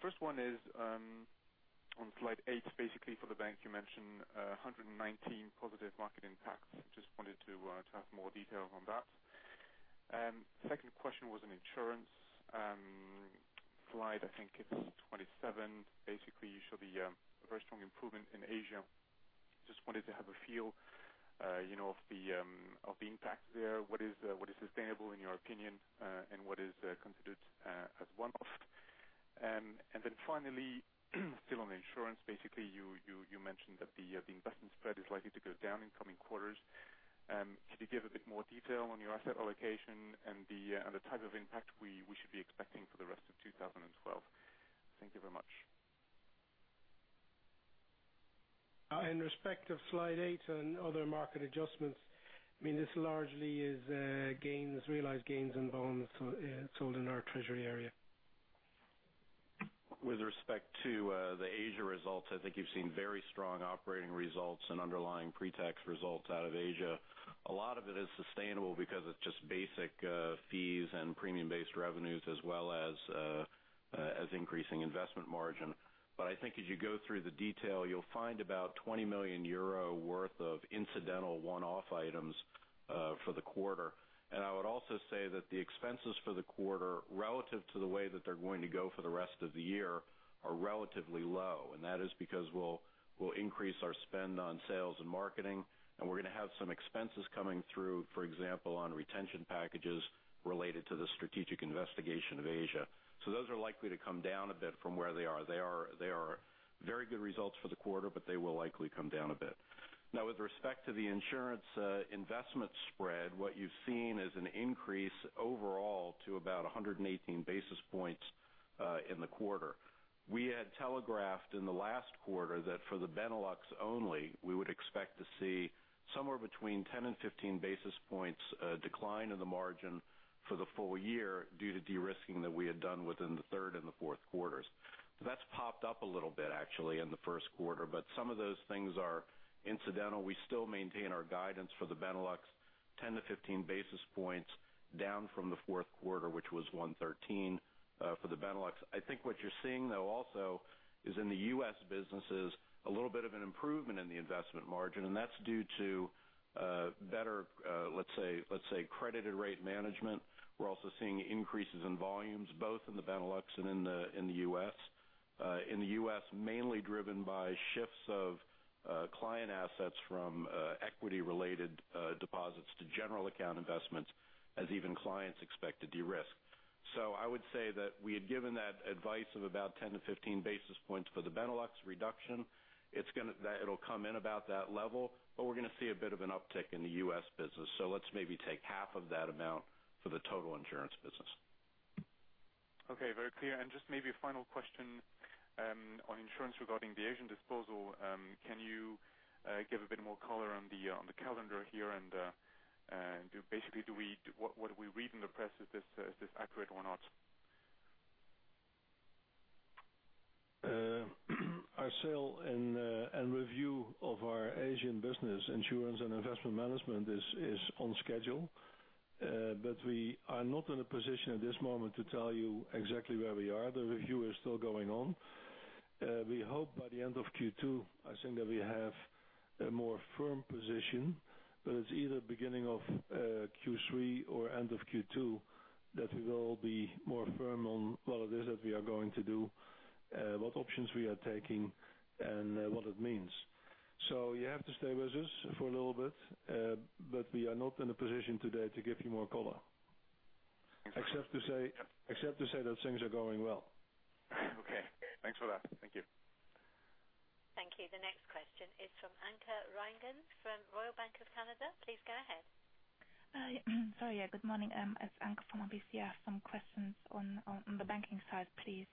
First one is on slide eight, basically for the bank, you mentioned 119 positive market impacts. Just wanted to have more detail on that. Second question was on insurance. Slide, I think it's 27. Basically, you show the very strong improvement in Asia. Just wanted to have a feel of the impact there. What is sustainable in your opinion, and what is considered as one-off? Finally, still on insurance, basically you mentioned that the investment spread is likely to go down in coming quarters. Could you give a bit more detail on your asset allocation and the type of impact we should be expecting for the rest of 2012? Thank you very much. In respect of slide eight and other market adjustments, this largely is realized gains and bonds sold in our treasury area. With respect to the Asia results, I think you've seen very strong operating results and underlying pre-tax results out of Asia. A lot of it is sustainable because it's just basic fees and premium-based revenues, as well as increasing investment margin. I think as you go through the detail, you'll find about 20 million euro worth of incidental one-off items for the quarter. I would also say that the expenses for the quarter, relative to the way that they're going to go for the rest of the year, are relatively low. That is because we'll increase our spend on sales and marketing, and we're going to have some expenses coming through, for example, on retention packages related to the strategic investigation of Asia. Those are likely to come down a bit from where they are. They are very good results for the quarter, but they will likely come down a bit. With respect to the insurance investment spread, what you've seen is an increase overall to about 118 basis points in the quarter. We had telegraphed in the last quarter that for the Benelux only, we would expect to see somewhere between 10-15 basis points decline in the margin for the full year due to de-risking that we had done within the third and the fourth quarters. That's popped up a little bit, actually, in the first quarter, but some of those things are incidental. We still maintain our guidance for the Benelux 10-15 basis points down from the fourth quarter, which was 113 for the Benelux. I think what you're seeing, though, also is in the U.S. businesses, a little bit of an improvement in the investment margin, and that's due to better let's say, credited rate management. We're also seeing increases in volumes, both in the Benelux and in the U.S. In the U.S., mainly driven by shifts of client assets from equity-related deposits to general account investments as even clients expect to de-risk. I would say that we had given that advice of about 10-15 basis points for the Benelux reduction. It'll come in about that level, but we're going to see a bit of an uptick in the U.S. business. Let's maybe take half of that amount for the total insurance business. Okay. Very clear. Just maybe a final question on insurance regarding the Asian disposal. Can you give a bit more color on the calendar here and basically what we read in the press, is this accurate or not? Our sale and review of our Asian business insurance and investment management is on schedule. We are not in a position at this moment to tell you exactly where we are. The review is still going on. We hope by the end of Q2, I think that we have a more firm position, but it's either beginning of Q3 or end of Q2 that we will be more firm on what it is that we are going to do, what options we are taking, and what it means. You have to stay with us for a little bit, but we are not in a position today to give you more color. Except to say that things are going well. Okay. Thanks for that. Thank you. Thank you. The next question is from Anke Reingen from Royal Bank of Canada. Please go ahead. Sorry. Good morning. It's Anke from RBC. I have some questions on the banking side, please.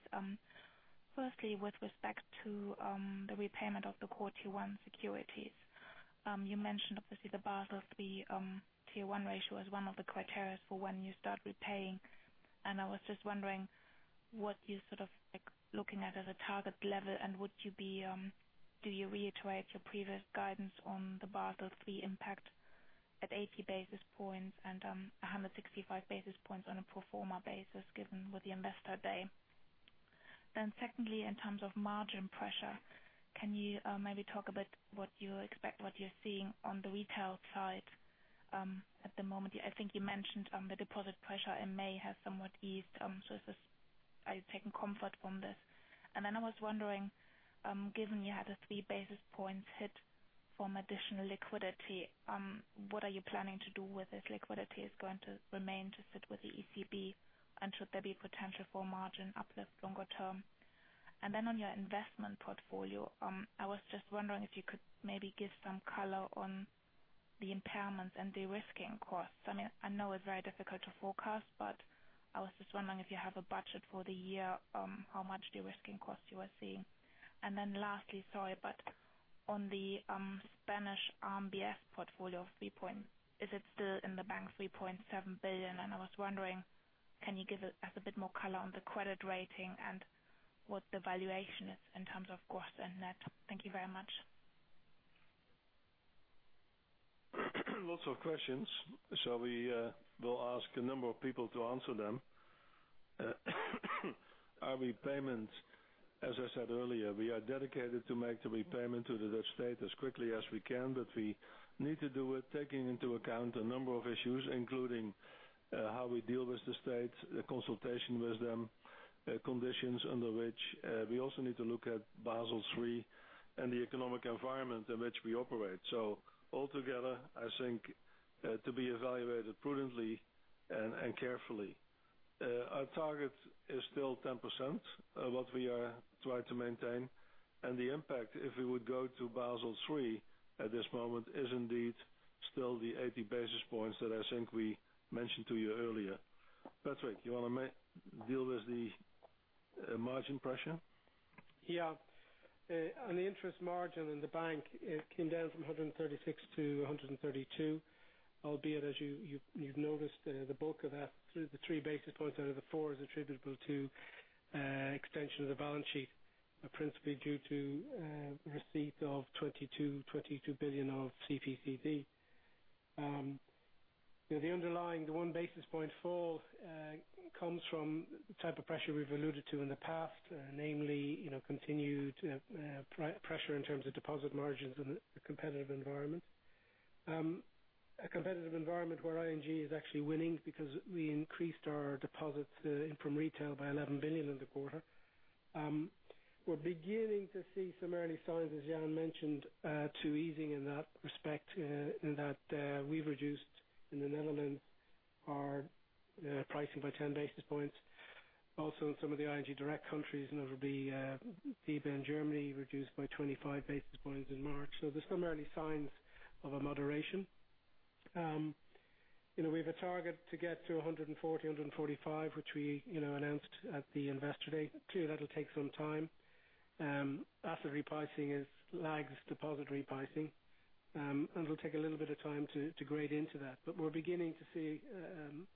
Firstly, with respect to the repayment of the Core Tier 1 securities. You mentioned obviously the Basel III Tier 1 ratio as one of the criterias for when you start repaying. I was just wondering what you're looking at as a target level, and do you reiterate your previous guidance on the Basel III impact at 80 basis points and 165 basis points on a pro forma basis given with the Investor Day? Secondly, in terms of margin pressure, can you maybe talk about what you expect, what you're seeing on the retail side at the moment? I think you mentioned the deposit pressure in May has somewhat eased. Are you taking comfort from this? I was wondering, given you had a 3 basis points hit from additional liquidity, what are you planning to do with this liquidity? Is it going to remain to sit with the ECB? Should there be potential for margin uplift longer term? On your investment portfolio, I was just wondering if you could maybe give some color on the impairments and de-risking costs. I know it's very difficult to forecast, I was just wondering if you have a budget for the year, how much de-risking cost you are seeing. Lastly, sorry, on the Spanish RMBS portfolio, is it still in the bank 3.7 billion? I was wondering, can you give us a bit more color on the credit rating and what the valuation is in terms of cost and net? Thank you very much. Lots of questions. We will ask a number of people to answer them. Our repayments, as I said earlier, we are dedicated to make the repayment to the Dutch state as quickly as we can, we need to do it taking into account a number of issues, including how we deal with the state, the consultation with them, conditions under which we also need to look at Basel III and the economic environment in which we operate. Altogether, I think to be evaluated prudently and carefully. Our target is still 10%, what we are trying to maintain. The impact, if we would go to Basel III at this moment is indeed still the 80 basis points that I think we mentioned to you earlier. Patrick, you want to deal with the margin pressure? Yeah. On the interest margin in the bank, it came down from 136 to 132, albeit as you've noticed, the bulk of that, the 3 basis points out of the 4 is attributable to extension of the balance sheet, principally due to receipt of 22 billion of CP/CD. The underlying, the 1 basis point fall comes from the type of pressure we've alluded to in the past, namely continued pressure in terms of deposit margins in a competitive environment. A competitive environment where ING is actually winning because we increased our deposits from retail by 11 billion in the quarter. We're beginning to see some early signs, as Jan mentioned, to easing in that respect in that we've reduced in the Netherlands our pricing by 10 basis points. Also, in some of the ING Direct countries, and that would be DiBa in Germany, reduced by 25 basis points in March. There's some early signs of a moderation. We have a target to get to 140, 145, which we announced at the Investor Day. Clearly, that'll take some time. Asset repricing lags deposit repricing. It'll take a little bit of time to grade into that. We're beginning to see,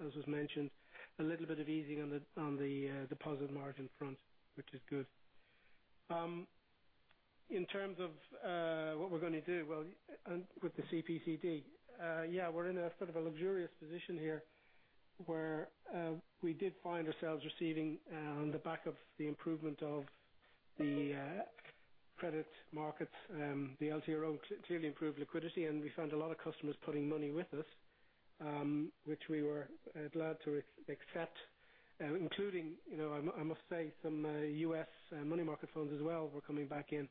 as was mentioned, a little bit of easing on the deposit margin front, which is good. In terms of what we're going to do with the CP/CD. Yeah, we're in a sort of a luxurious position here where we did find ourselves receiving on the back of the improvement of the credit markets, the LTRO clearly improved liquidity, we found a lot of customers putting money with us, which we were glad to accept, including, I must say, some U.S. money market funds as well were coming back in.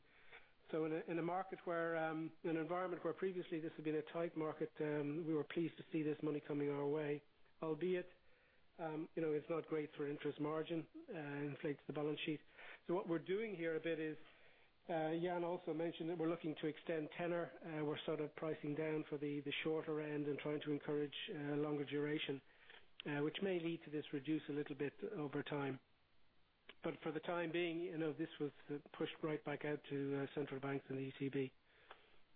In an environment where previously this had been a tight market, we were pleased to see this money coming our way. Albeit, it's not great for interest margin. It inflates the balance sheet. What we're doing here a bit is, Jan also mentioned that we're looking to extend tenor. We're sort of pricing down for the shorter end and trying to encourage longer duration, which may lead to this reduce a little bit over time. For the time being, this was pushed right back out to central banks and the ECB.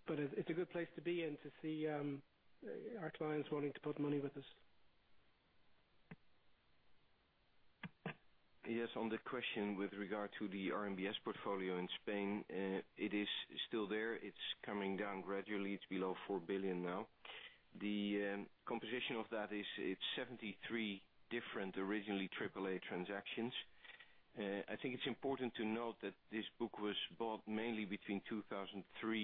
It's a good place to be in to see our clients wanting to put money with us. On the question with regard to the RMBS portfolio in Spain, it is still there. It's coming down gradually. It's below 4 billion now. The composition of that is it's 73 different originally AAA transactions. I think it's important to note that this book was bought mainly between 2003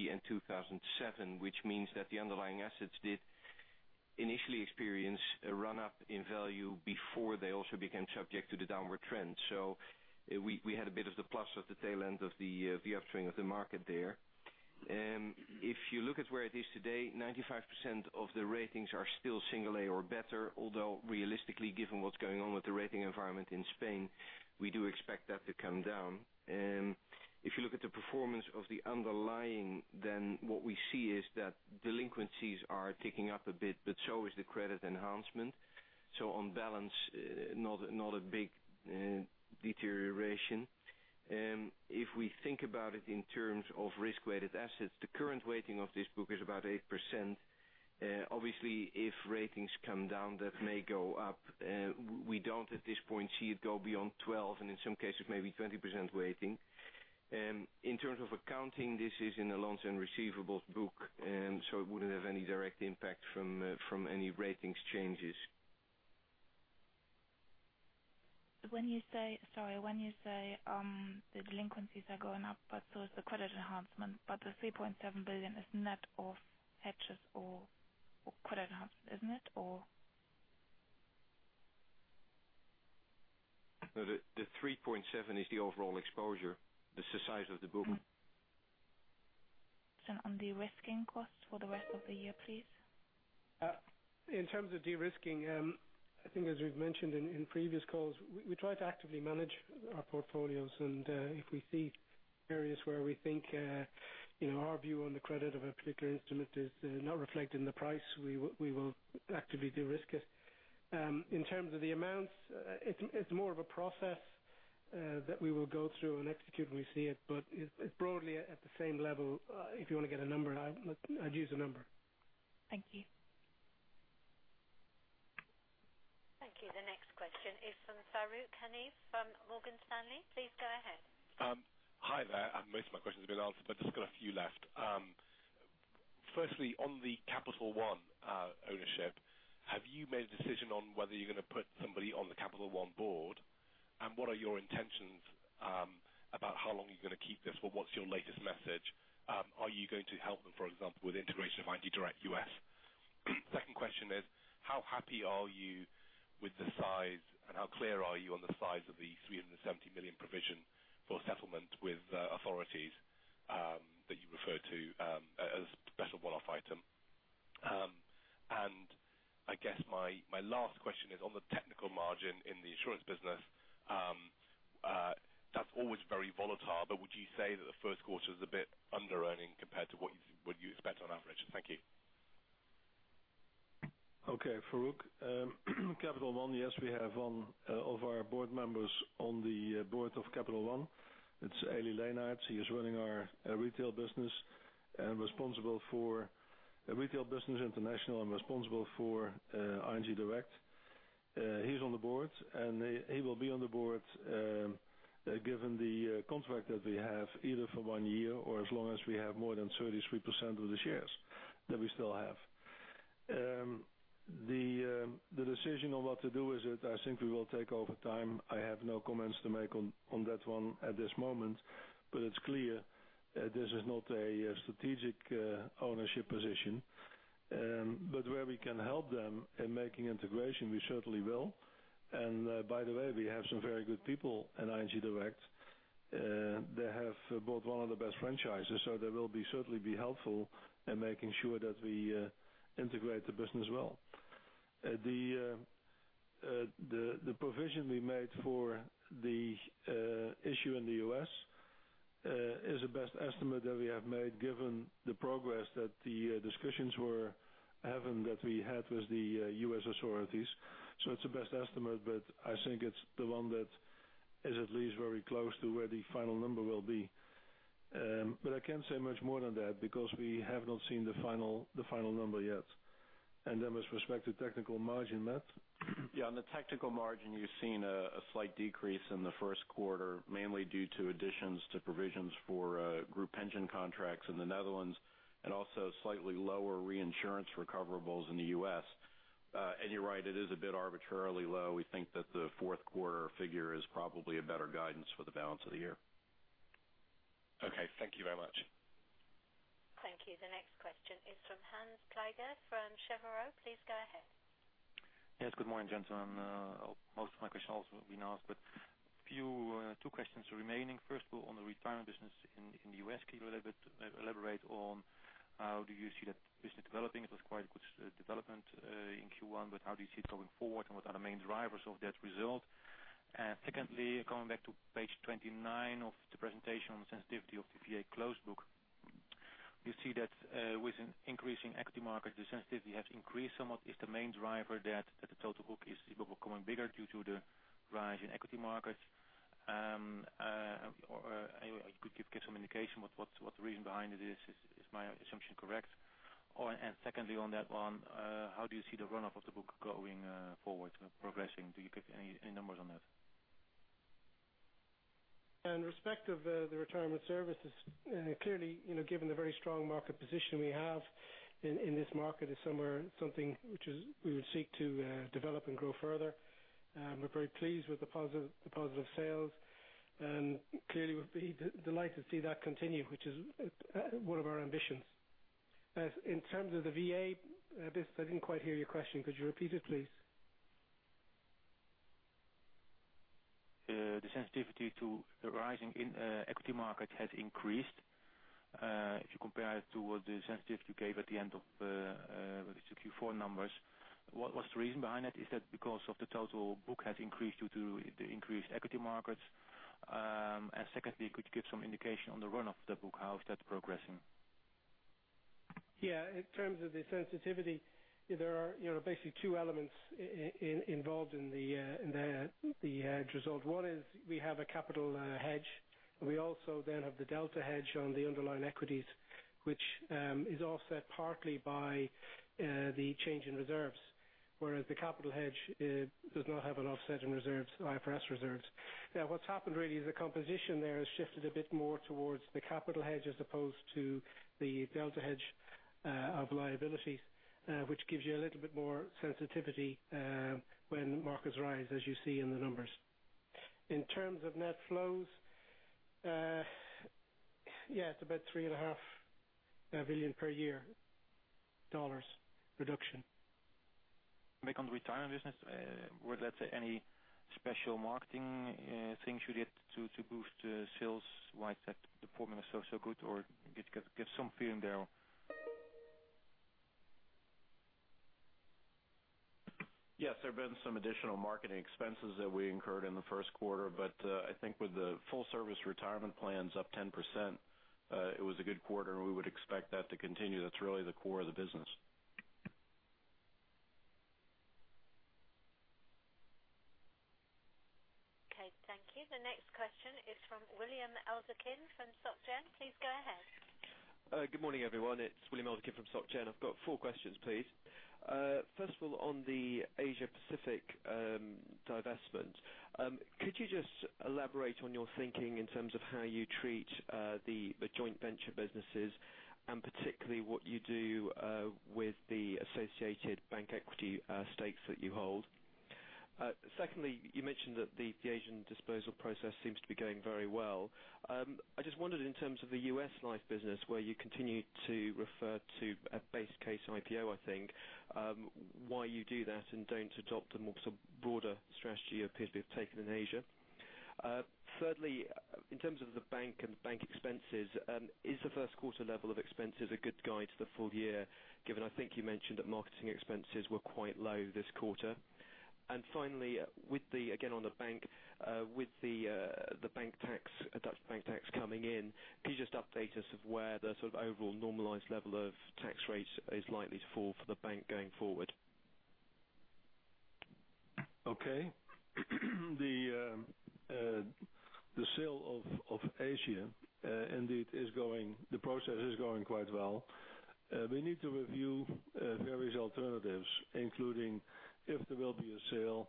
and 2007, which means that the underlying assets did initially experience a run-up in value before they also became subject to the downward trend. We had a bit of the plus of the tail end of the upswing of the market there. If you look at where it is today, 95% of the ratings are still single A or better, although realistically given what's going on with the rating environment in Spain, we do expect that to come down. If you look at the performance of the underlying, what we see is that delinquencies are ticking up a bit, but so is the credit enhancement. On balance, not a big deterioration. If we think about it in terms of risk-weighted assets, the current weighting of this book is about 8%. Obviously, if ratings come down, that may go up. We don't at this point see it go beyond 12% and in some cases maybe 20% weighting. In terms of accounting, this is in the loans and receivables book, it wouldn't have any direct impact from any ratings changes. When you say the delinquencies are going up, but so is the credit enhancement. The 3.7 billion is net of hedges or credit enhancement, isn't it? No. The 3.7 is the overall exposure. That's the size of the book. Some on de-risking costs for the rest of the year, please. In terms of de-risking, I think as we've mentioned in previous calls, we try to actively manage our portfolios. If we see areas where we think our view on the credit of a particular instrument is not reflected in the price, we will actively de-risk it. In terms of the amounts, it's more of a process that we will go through and execute when we see it, but it's broadly at the same level. If you want to get a number, I'd use a number. Thank you. Thank you. The next question is from Farooq Hanif from Morgan Stanley. Please go ahead. Hi there. Most of my questions have been answered, but I've just got a few left. Firstly, on the Capital One ownership, have you made a decision on whether you're going to put somebody on the Capital One board? What are your intentions about how long you're going to keep this? What's your latest message? Are you going to help them, for example, with integration of ING Direct US? Second question is, how happy are you with the size and how clear are you on the size of the 370 million provision for settlement with authorities that you refer to as special one-off item? I guess my last question is on the technical margin in the insurance business. That's always very volatile, but would you say that the first quarter is a bit underearning compared to what you expect on average? Thank you. Okay. Farooq. Capital One, yes, we have one of our board members on the board of Capital One. It's Eli Leenaars. He is running our retail business International, and responsible for ING Direct. He's on the board, and he will be on the board given the contract that we have, either for one year or as long as we have more than 33% of the shares that we still have. The decision on what to do with it, I think we will take over time. I have no comments to make on that one at this moment, but it's clear this is not a strategic ownership position. Where we can help them in making integration, we certainly will. By the way, we have some very good people at ING Direct. They have bought one of the best franchises, so they will be certainly be helpful in making sure that we integrate the business well. The provision we made for the issue in the U.S. is the best estimate that we have made given the progress that the discussions were having that we had with the U.S. authorities. It's a best estimate, but I think it's the one that is at least very close to where the final number will be. I can't say much more than that because we have not seen the final number yet. With respect to technical margin, Matt? Yeah. On the technical margin, you've seen a slight decrease in the first quarter, mainly due to additions to provisions for group pension contracts in the Netherlands and also slightly lower reinsurance recoverables in the U.S. You're right, it is a bit arbitrarily low. We think that the fourth quarter figure is probably a better guidance for the balance of the year. Okay. Thank you very much. Thank you. The next question is from Hans Pluijgers from Cheuvreux. Please go ahead. Yes. Good morning, gentlemen. Most of my questions have been asked, two questions remaining. First of all, on the retirement business in the U.S., can you elaborate on how do you see that business developing? It was quite a good development in Q1, but how do you see it going forward and what are the main drivers of that result? Secondly, going back to page 29 of the presentation on sensitivity of the VA closed book. We see that with an increasing equity market, the sensitivity has increased somewhat. Is the main driver that the total book is becoming bigger due to the rise in equity markets? You could give some indication what the reason behind it is. Is my assumption correct? Secondly, on that one, how do you see the run-off of the book going forward progressing? Do you give any numbers on that? In respect of the retirement services, clearly, given the very strong market position we have in this market, is something which we would seek to develop and grow further. We're very pleased with the positive sales, clearly we'd be delighted to see that continue, which is one of our ambitions. In terms of the VA, I didn't quite hear your question. Could you repeat it, please? The sensitivity to the rising in equity market has increased. If you compare it to what the sensitivity you gave at the end of the Q4 numbers, what was the reason behind that? Is that because of the total book has increased due to the increased equity markets? Secondly, could you give some indication on the run-off the book, how is that progressing? In terms of the sensitivity, there are basically two elements involved in the hedge result. One is we have a capital hedge. We also have the delta hedge on the underlying equities, which is offset partly by the change in reserves, whereas the capital hedge does not have an offset in IFRS reserves. What's happened really is the composition there has shifted a bit more towards the capital hedge as opposed to the delta hedge of liabilities, which gives you a little bit more sensitivity when markets rise, as you see in the numbers. In terms of net flows, it's about 3.5 billion per year reduction. Back on the retirement business, were there any special marketing things you did to boost sales, why is that the performance so good? Give some feeling there. Yes. There have been some additional marketing expenses that we incurred in the first quarter, but I think with the full service retirement plans up 10%, it was a good quarter, and we would expect that to continue. That's really the core of the business. Okay. Thank you. The next question is from William Elderkin from Société Générale. Please go ahead. Good morning, everyone. It's William Elderkin from Société Générale. I've got four questions, please. First of all, on the Asia Pacific divestment. Could you just elaborate on your thinking in terms of how you treat the joint venture businesses, and particularly what you do with the associated bank equity stakes that you hold? Secondly, you mentioned that the Asian disposal process seems to be going very well. I just wondered in terms of the U.S. life business, where you continue to refer to a base case IPO, I think. Why you do that and don't adopt a more broader strategy you appear to have taken in Asia. Thirdly, in terms of the bank and bank expenses, is the first quarter level of expenses a good guide to the full year, given I think you mentioned that marketing expenses were quite low this quarter. Finally, again on the bank, with the Dutch bank tax coming in, can you just update us of where the overall normalized level of tax rates is likely to fall for the bank going forward? Okay. The sale of Asia, indeed the process is going quite well. We need to review various alternatives, including if there will be a sale,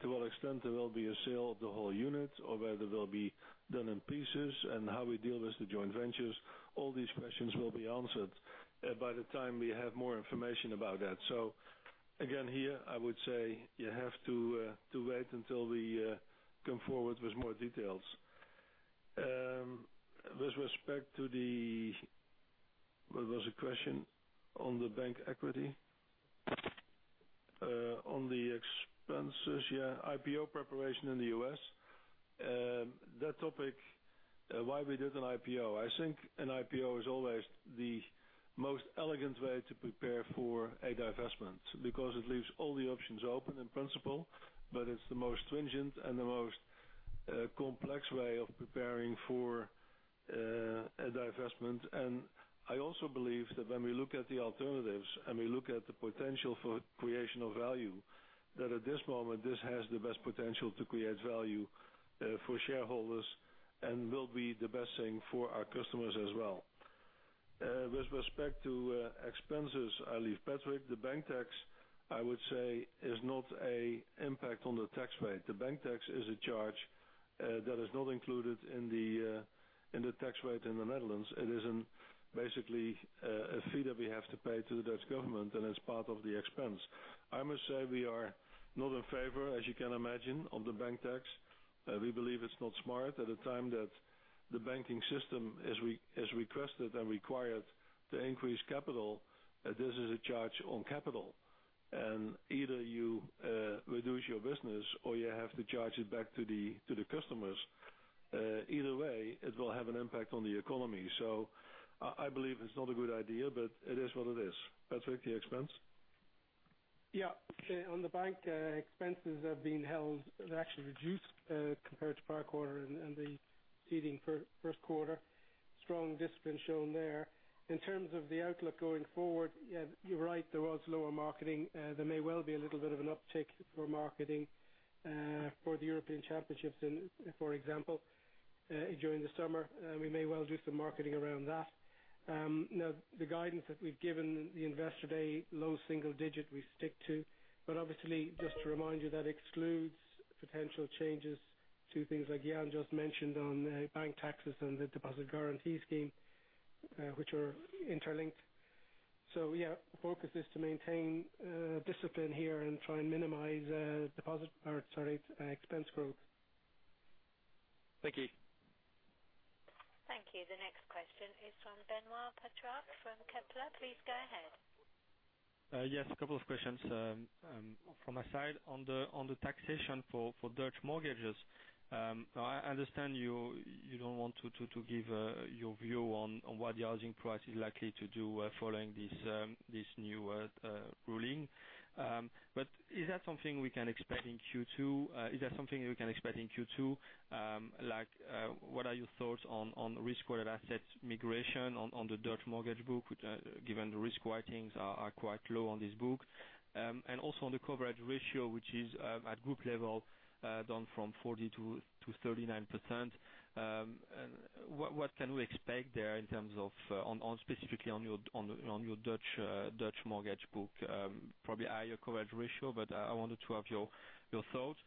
to what extent there will be a sale of the whole unit, or whether there will be done in pieces, and how we deal with the joint ventures. All these questions will be answered by the time we have more information about that. Again, here, I would say you have to wait until we come forward with more details. With respect to the, what was the question, on the bank equity. On the expenses, IPO preparation in the U.S. That topic, why we did an IPO. I think an IPO is always the most elegant way to prepare for a divestment, because it leaves all the options open in principle, but it's the most stringent and the most complex way of preparing for a divestment. I also believe that when we look at the alternatives and we look at the potential for creation of value, that at this moment, this has the best potential to create value for shareholders and will be the best thing for our customers as well. With respect to expenses, I leave Patrick. The bank tax, I would say, is not a impact on the tax rate. The bank tax is a charge that is not included in the tax rate in the Netherlands. It is basically a fee that we have to pay to the Dutch government, and it's part of the expense. I must say, we are not in favor, as you can imagine, of the bank tax. We believe it's not smart at a time that the banking system is requested and required to increase capital. This is a charge on capital, and either you reduce your business or you have to charge it back to the customers. Either way, it will have an impact on the economy. I believe it's not a good idea, but it is what it is. Patrick, the expense? On the bank, expenses have been held. They've actually reduced compared to prior quarter and the preceding first quarter. Strong discipline shown there. In terms of the outlook going forward, you're right, there was lower marketing. There may well be a little bit of an uptick for marketing for the European Championships, for example, during the summer. We may well do some marketing around that. The guidance that we've given the Investor Day, low single digit we stick to. Obviously, just to remind you, that excludes potential changes to things like Jan just mentioned on bank taxes and the Deposit Guarantee Scheme, which are interlinked. Our focus is to maintain discipline here and try and minimize expense growth. Thank you. Thank you. The next question is from Benoît Pétrarque from Kepler. Please go ahead. A couple of questions from my side. On the taxation for Dutch mortgages. I understand you don't want to give your view on what the housing price is likely to do following this new ruling. Is that something we can expect in Q2? Like, what are your thoughts on risk-weighted assets migration on the Dutch mortgage book, given the risk weightings are quite low on this book? Also on the coverage ratio, which is at group level down from 40%-39%. What can we expect there in terms of, specifically on your Dutch mortgage book? Probably a higher coverage ratio, but I wanted to have your thoughts.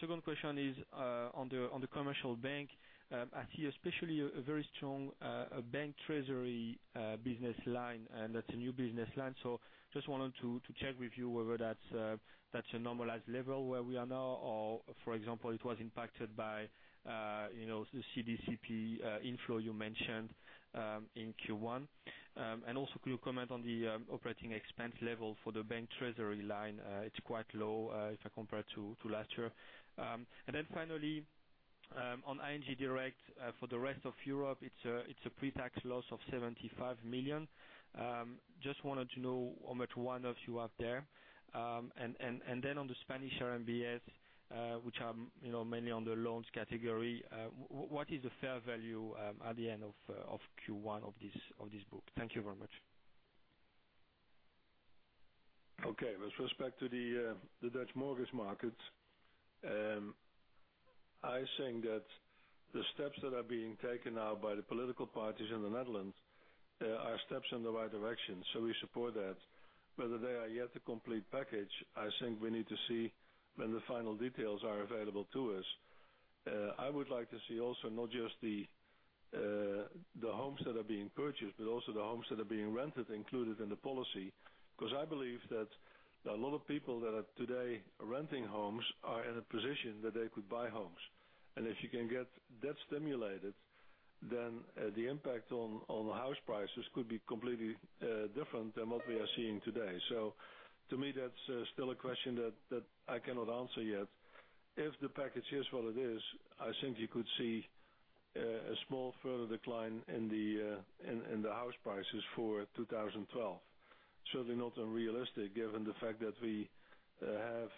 Second question is on the commercial bank. I see especially a very strong bank treasury business line. That's a new business line. Just wanted to check with you whether that's a normalized level where we are now or, for example, it was impacted by the CP/CD inflow you mentioned in Q1. Could you comment on the operating expense level for the bank treasury line? It's quite low if I compare to last year. Finally, on ING Direct for the rest of Europe, it's a pre-tax loss of 75 million. Just wanted to know how much one-offs you have there. On the Spanish RMBS, which are mainly on the loans category, what is the fair value at the end of Q1 of this book? Thank you very much. Okay. With respect to the Dutch mortgage markets, I think that the steps that are being taken now by the political parties in the Netherlands are steps in the right direction. We support that. Whether they are yet a complete package, I think we need to see when the final details are available to us. I would like to see also not just the homes that are being purchased, but also the homes that are being rented included in the policy. Because I believe that a lot of people that are today renting homes are in a position that they could buy homes. If you can get that stimulated, then the impact on house prices could be completely different than what we are seeing today. To me, that's still a question that I cannot answer yet. If the package is what it is, I think you could see a small further decline in the house prices for 2012. Certainly not unrealistic given the fact that we have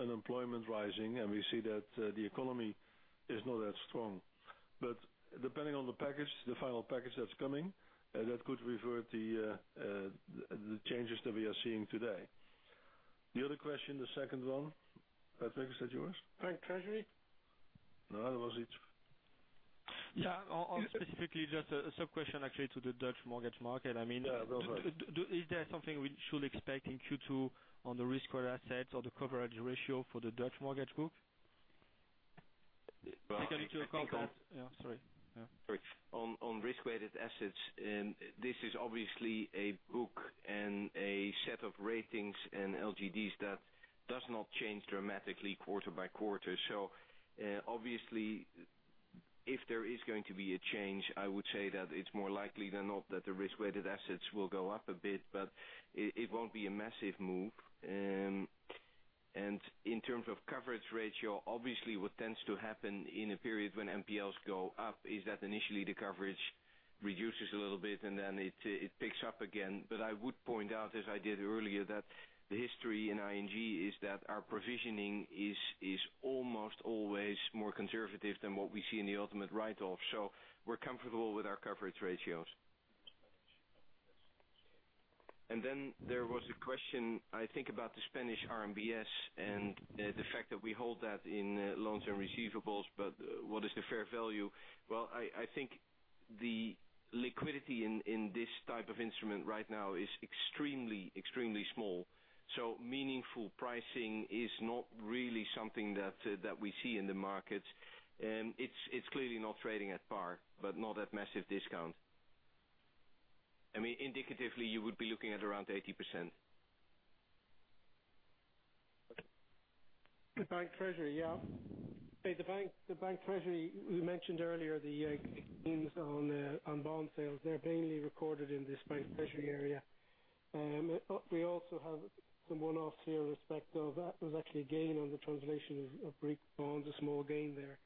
unemployment rising, and we see that the economy is not as strong. Depending on the final package that's coming, that could revert the changes that we are seeing today. The other question, the second one. Patrick, is that yours? Bank treasury? No, what was it? Yeah. On specifically just a sub-question actually to the Dutch mortgage market. Yeah, go for it. Is there something we should expect in Q2 on the risk-weighted assets or the coverage ratio for the Dutch mortgage book? Yeah, sorry. On risk-weighted assets, this is obviously a book and a set of ratings and LGDs that does not change dramatically quarter by quarter. Obviously, if there is going to be a change, I would say that it's more likely than not that the risk-weighted assets will go up a bit, but it won't be a massive move. In terms of coverage ratio, obviously, what tends to happen in a period when NPLs go up is that initially the coverage reduces a little bit, and then it picks up again. I would point out, as I did earlier, that the history in ING is that our provisioning is almost always more conservative than what we see in the ultimate write-off. We're comfortable with our coverage ratios. There was a question, I think, about the Spanish RMBS and the fact that we hold that in loans and receivables, what is the fair value? Well, I think the liquidity in this type of instrument right now is extremely small. Meaningful pricing is not really something that we see in the markets. It is clearly not trading at par, but not at massive discount. Indicatively, you would be looking at around 80%. The bank treasury. The bank treasury, we mentioned earlier the gains on bond sales. They are mainly recorded in this bank treasury area. We also have some one-offs here that was actually a gain on the translation of Greek bonds, a small gain there.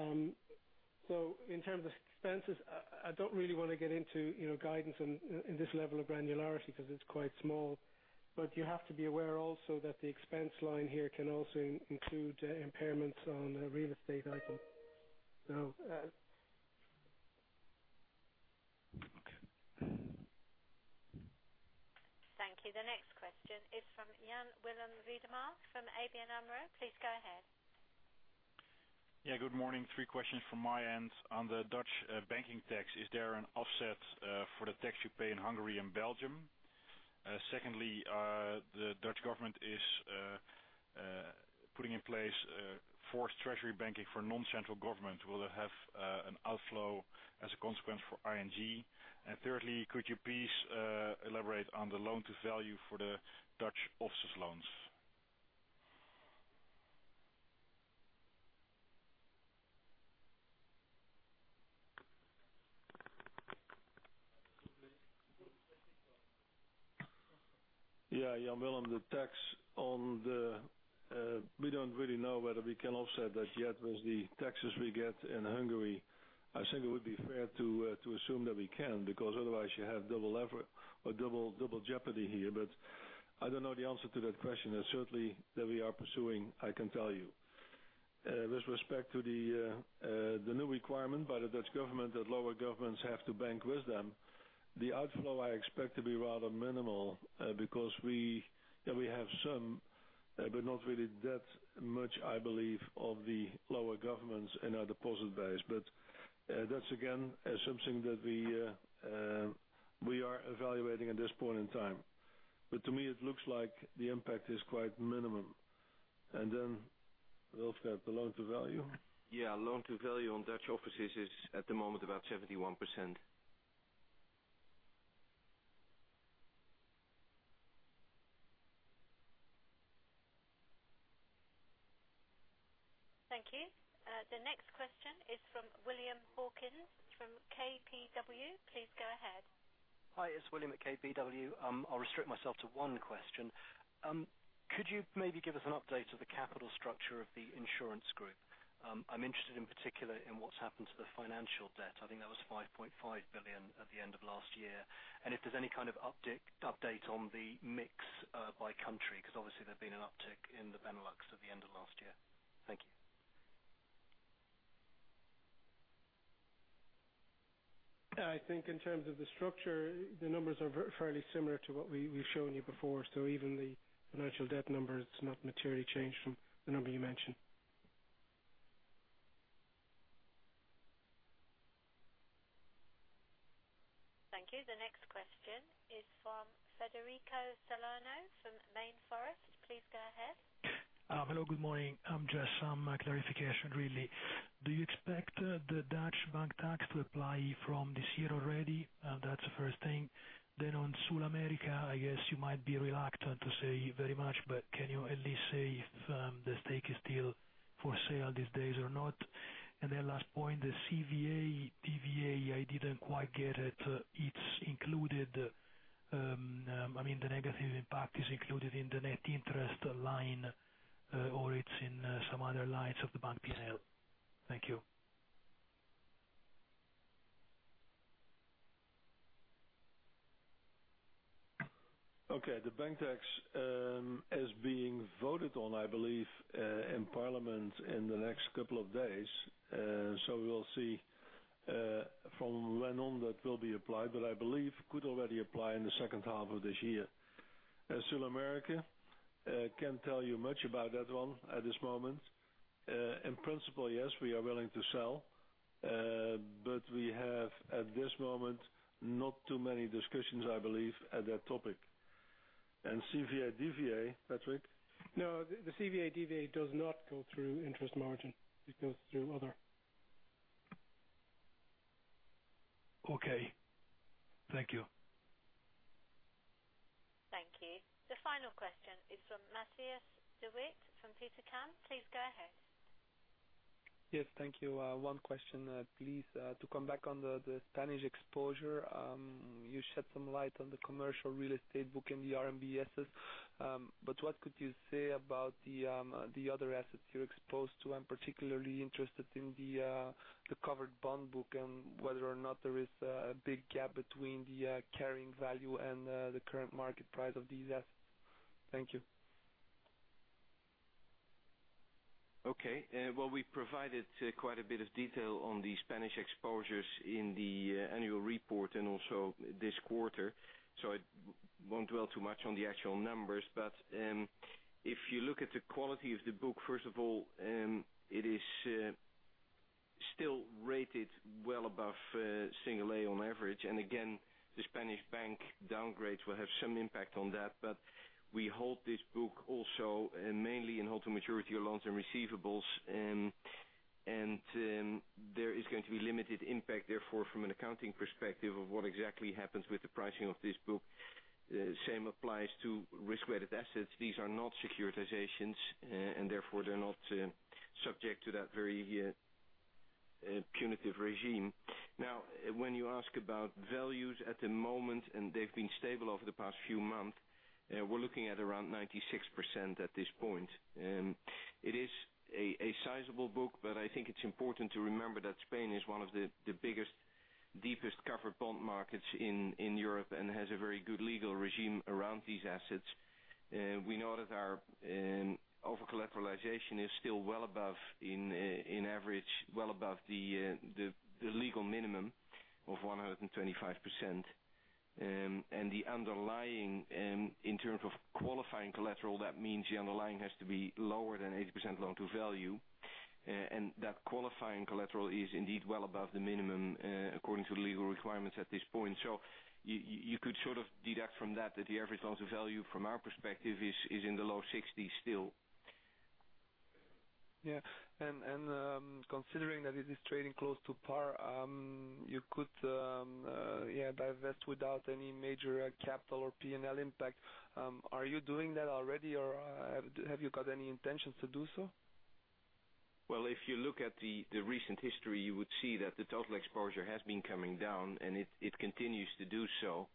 In terms of expenses, I do not really want to get into guidance in this level of granularity because it is quite small. You have to be aware also that the expense line here can also include impairments on real estate items. Thank you. The next question is from Jan Willem Weidema from ABN AMRO. Please go ahead. Good morning. Three questions from my end. On the Dutch banking tax, is there an offset for the tax you pay in Hungary and Belgium? Secondly, the Dutch government is putting in place forced treasury banking for non-central government. Will it have an outflow as a consequence for ING? Thirdly, could you please elaborate on the loan-to-value for the Dutch offices loans? Jan Willem, the tax, we don't really know whether we can offset that yet with the taxes we get in Hungary. I think it would be fair to assume that we can, because otherwise you have double jeopardy here. I don't know the answer to that question. Certainly, that we are pursuing, I can tell you. With respect to the new requirement by the Dutch government that lower governments have to bank with them, the outflow I expect to be rather minimal because we have some, but not really that much, I believe, of the lower governments in our deposit base. That's, again, something that we are evaluating at this point in time. To me, it looks like the impact is quite minimum. Wulf, the loan-to-value? Loan-to-value on Dutch offices is at the moment about 71%. Thank you. The next question is from William Hawkins from KBW. Please go ahead. Hi, it's William at KBW. I'll restrict myself to one question. Could you maybe give us an update of the capital structure of the insurance group? I'm interested in particular in what's happened to the financial debt. I think that was 5.5 billion at the end of last year. If there's any kind of update on the mix by country, because obviously there's been an uptick in the Benelux at the end of last year. Thank you. I think in terms of the structure, the numbers are fairly similar to what we've shown you before. Even the financial debt number, it's not materially changed from the number you mentioned. Thank you. The next question is from Federico Salerno from MainFirst. Please go ahead. Hello, good morning. Just some clarification, really. Do you expect the Dutch bank tax to apply from this year already? That's the first thing. On SulAmérica, I guess you might be reluctant to say very much, but can you at least say if the stake is still for sale these days or not? Last point, the CVA, DVA, I didn't quite get it. The negative impact is included in the net interest line, or it's in some other lines of the bank P&L. Thank you. Okay. The bank tax is being voted on, I believe, in parliament in the next couple of days. We will see from when on that will be applied, but I believe could already apply in the second half of this year. SulAmérica, can't tell you much about that one at this moment. In principle, yes, we are willing to sell, but we have, at this moment, not too many discussions, I believe, at that topic. CVA, DVA, Patrick? No, the CVA, DVA does not go through interest margin. It goes through other. Okay. Thank you. Thank you. The final question is from Matthias De Wit from Petercam. Please go ahead. Yes, thank you. One question, please. To come back on the Spanish exposure. You shed some light on the commercial real estate book in the RMBSs. What could you say about the other assets you're exposed to? I'm particularly interested in the covered bond book and whether or not there is a big gap between the carrying value and the current market price of these assets. Thank you. Okay. Well, we provided quite a bit of detail on the Spanish exposures in the annual report and also this quarter. I won't dwell too much on the actual numbers. If you look at the quality of the book, first of all, it is still rated well above single A on average. Again, the Spanish bank downgrades will have some impact on that. We hold this book also mainly in hold-to-maturity loans and receivables. There is going to be limited impact, therefore, from an accounting perspective of what exactly happens with the pricing of this book. Same applies to risk-weighted assets. These are not securitizations, and therefore, they're not subject to that very punitive regime. When you ask about values at the moment, and they've been stable over the past few months, we're looking at around 96% at this point. It is a sizable book. I think it's important to remember that Spain is one of the biggest, deepest covered bond markets in Europe and has a very good legal regime around these assets. We know that our over-collateralization is still well above, in average, well above the legal minimum of 125%. The underlying, in terms of qualifying collateral, that means the underlying has to be lower than 80% loan-to-value. That qualifying collateral is indeed well above the minimum according to the legal requirements at this point. You could sort of deduct from that the average loan-to-value from our perspective is in the low 60s still. Yeah. Considering that it is trading close to par, you could divest without any major capital or P&L impact. Are you doing that already, or have you got any intentions to do so? Well, if you look at the recent history, you would see that the total exposure has been coming down, and it continues to do so.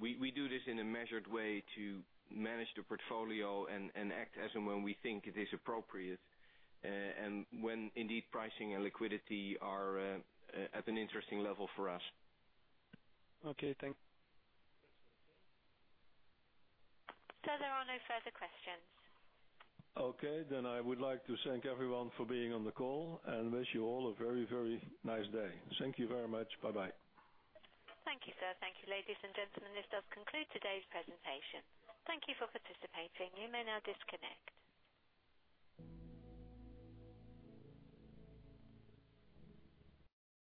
We do this in a measured way to manage the portfolio and act as and when we think it is appropriate, and when indeed pricing and liquidity are at an interesting level for us. Okay, thanks. Sir, there are no further questions. Okay, I would like to thank everyone for being on the call and wish you all a very, very nice day. Thank you very much. Bye-bye. Thank you, sir. Thank you, ladies and gentlemen. This does conclude today's presentation. Thank you for participating. You may now disconnect.